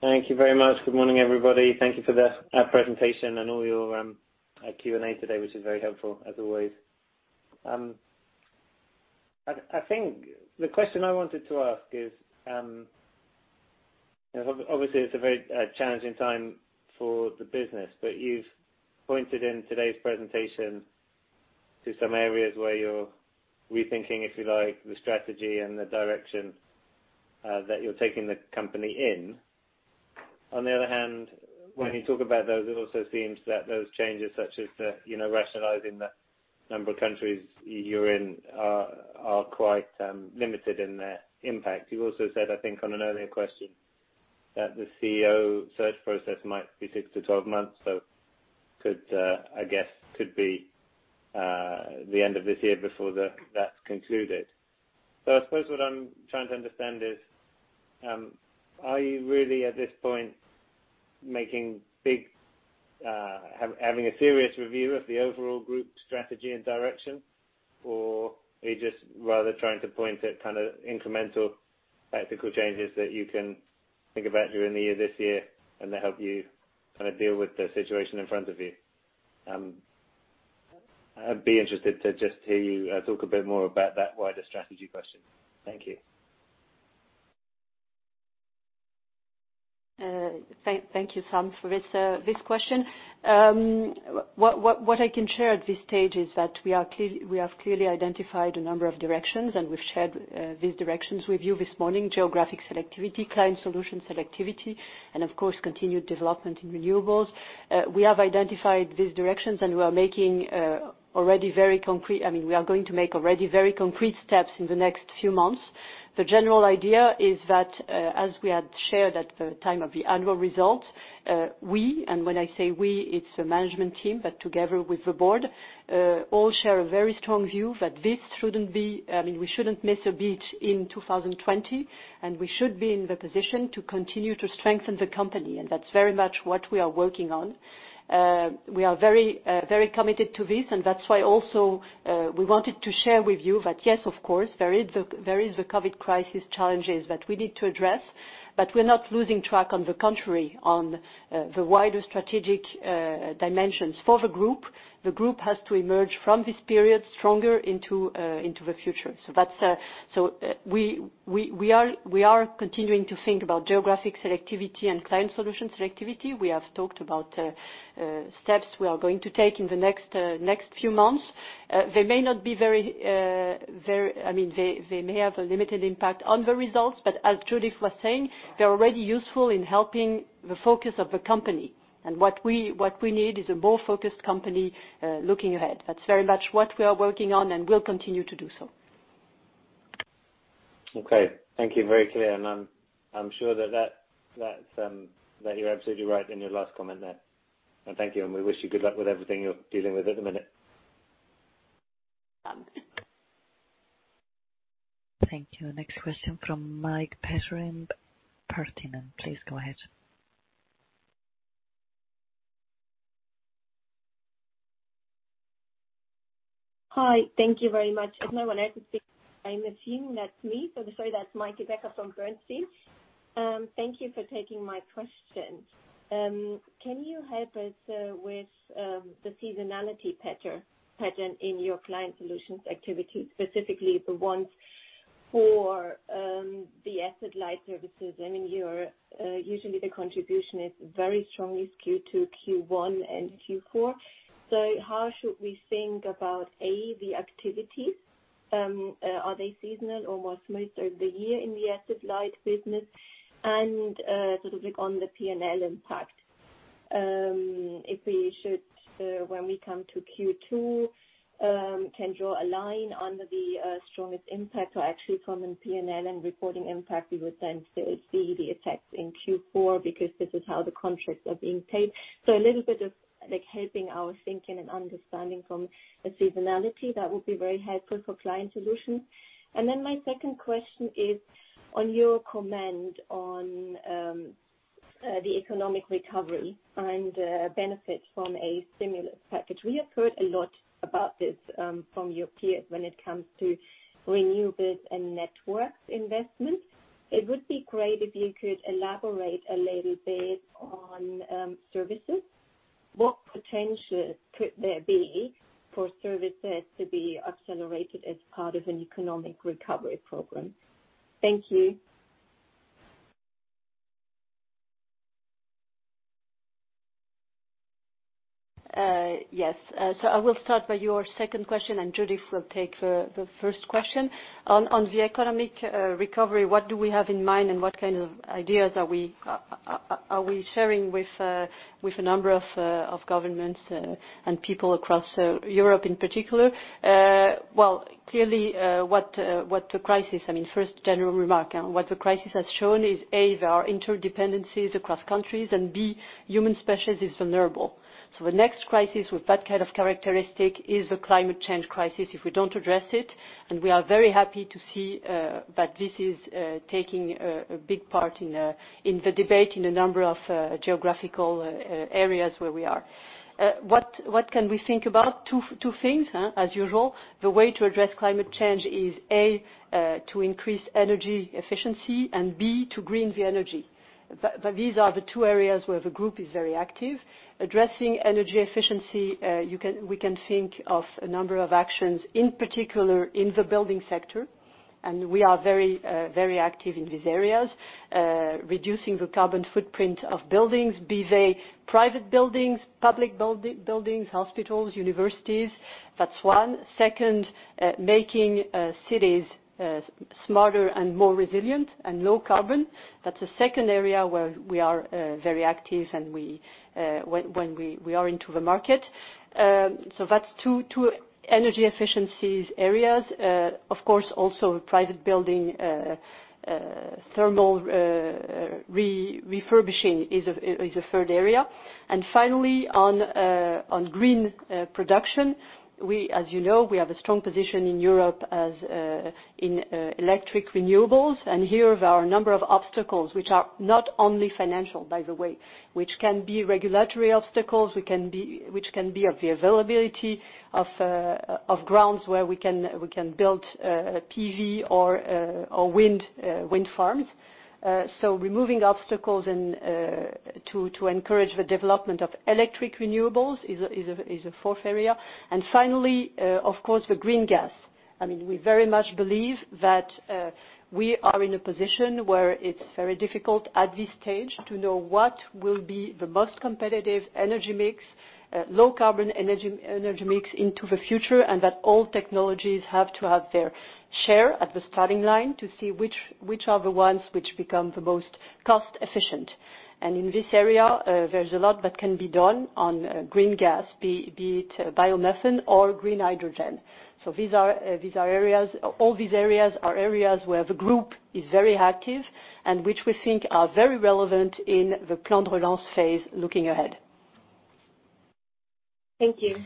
Thank you very much. Good morning, everybody. Thank you for the presentation and all your Q&A today, which is very helpful, as always. I think the question I wanted to ask is, obviously, it's a very challenging time for the business, but you've pointed in today's presentation to some areas where you're rethinking, if you like, the strategy and the direction that you're taking the company in. On the other hand, when you talk about those, it also seems that those changes, such as rationalizing the number of countries you're in, are quite limited in their impact. You also said, I think, on an earlier question, that the CEO search process might be six to 12 months, so I guess could be the end of this year before that's concluded. So I suppose what I'm trying to understand is, are you really at this point having a serious review of the overall group strategy and direction, or are you just rather trying to point at kind of incremental tactical changes that you can think about during the year this year and that help you kind of deal with the situation in front of you? I'd be interested to just hear you talk a bit more about that wider strategy question. Thank you. Thank you, Sam, for this question. What I can share at this stage is that we have clearly identified a number of directions, and we've shared these directions with you this morning: geographic selectivity, client solution selectivity, and, of course, continued development in renewables. We have identified these directions, and we are making already very concrete, I mean, we are going to make already very concrete steps in the next few months. The general idea is that, as we had shared at the time of the annual result, we, and when I say we, it's the management team, but together with the board, all share a very strong view that this shouldn't be, I mean, we shouldn't miss a beat in 2020, and we should be in the position to continue to strengthen the company, and that's very much what we are working on. We are very committed to this, and that's why also we wanted to share with you that, yes, of course, there are the COVID crisis challenges that we need to address, but we're not losing track, on the contrary, on the wider strategic dimensions for the group. The group has to emerge from this period stronger into the future. So we are continuing to think about geographic selectivity and client solution selectivity. We have talked about steps we are going to take in the next few months. They may not be very—I mean, they may have a limited impact on the results, but as Judith was saying, they're already useful in helping the focus of the company. And what we need is a more focused company looking ahead. That's very much what we are working on and will continue to do so. Okay. Thank you. Very clear, and I'm sure that you're absolutely right in your last comment there, and thank you. We wish you good luck with everything you're dealing with at the minute. Thank you. Next question from Meike Becker, Bernstein. Please go ahead. Hi. Thank you very much. If no one else is speaking, I'm assuming that's me. So sorry, that's Meike Becker from Bernstein. Thank you for taking my question. Can you help us with the seasonality, Petter, in your Client Solutions activities, specifically the ones for the asset-light services? I mean, usually, the contribution is very strongly skewed to Q1 and Q4. So how should we think about, A, the activities? Are they seasonal or more smooth through the year in the asset-light business? And sort of on the P&L impact, if we should, when we come to Q2, can draw a line under the strongest impact? So actually, from a P&L and reporting impact, we would then see the effects in Q4 because this is how the contracts are being paid. So a little bit of helping our thinking and understanding from a seasonality, that would be very helpful for Client Solutions. And then my second question is on your comment on the economic recovery and benefits from a stimulus package. We have heard a lot about this from your peers when it comes to Renewables and Networks investment. It would be great if you could elaborate a little bit on services. What potential could there be for services to be accelerated as part of an economic recovery program? Thank you. Yes. So I will start by your second question, and Judith will take the first question. On the economic recovery, what do we have in mind, and what kind of ideas are we sharing with a number of governments and people across Europe, in particular? Well, clearly, what the crisis, I mean, first, general remark. What the crisis has shown is, A, there are interdependencies across countries, and B, human species is vulnerable. So the next crisis with that kind of characteristic is the climate change crisis if we don't address it. And we are very happy to see that this is taking a big part in the debate in a number of geographical areas where we are. What can we think about? Two things, as usual. The way to address climate change is, A, to increase energy efficiency, and B, to green the energy. These are the two areas where the group is very active. Addressing energy efficiency, we can think of a number of actions, in particular in the building sector, and we are very active in these areas, reducing the carbon footprint of buildings, be they private buildings, public buildings, hospitals, universities. That's one. Second, making cities smarter and more resilient and low carbon. That's a second area where we are very active when we are into the market, so that's two energy efficiency areas. Of course, also private building thermal refurbishing is a third area, and finally, on green production, as you know, we have a strong position in Europe in electric renewables, and here are a number of obstacles, which are not only financial, by the way, which can be regulatory obstacles, which can be of the availability of grounds where we can build PV or wind farms. Removing obstacles to encourage the development of electric renewables is a fourth area. Finally, of course, the green gas. I mean, we very much believe that we are in a position where it's very difficult at this stage to know what will be the most competitive energy mix, low carbon energy mix into the future, and that all technologies have to have their share at the starting line to see which are the ones which become the most cost-efficient. In this area, there's a lot that can be done on green gas, be it biomethane or green hydrogen. These are areas - all these areas are areas where the group is very active and which we think are very relevant in the plan de relance phase looking ahead. Thank you.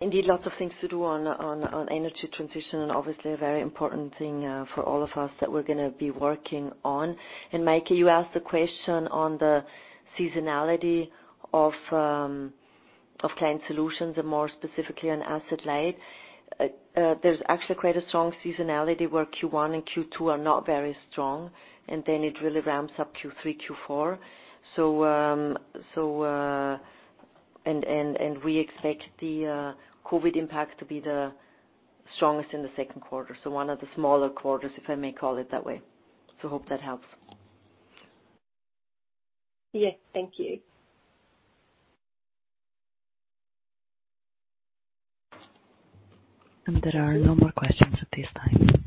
Indeed, lots of things to do on energy transition and obviously a very important thing for all of us that we're going to be working on. And Meike, you asked the question on the seasonality of client solutions and more specifically on asset light. There's actually quite a strong seasonality where Q1 and Q2 are not very strong, and then it really ramps up Q3, Q4. And we expect the COVID impact to be the strongest in the Q2, so one of the smaller quarters, if I may call it that way. So hope that helps. Yes. Thank you. There are no more questions at this time.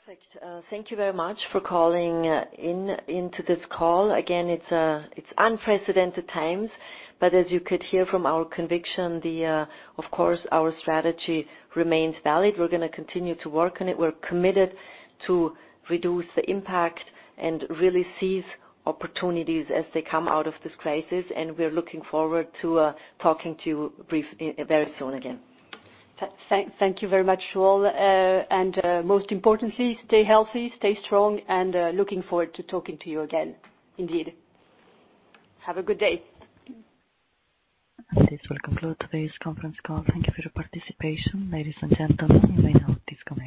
Perfect. Thank you very much for calling into this call. Again, it's unprecedented times, but as you could hear from our conviction, of course, our strategy remains valid. We're going to continue to work on it. We're committed to reduce the impact and really seize opportunities as they come out of this crisis. And we're looking forward to talking to you very soon again. Thank you very much, all. And most importantly, stay healthy, stay strong, and looking forward to talking to you again, indeed. Have a good day. This will conclude today's conference call. Thank you for your participation, ladies and gentlemen. You may now disconnect.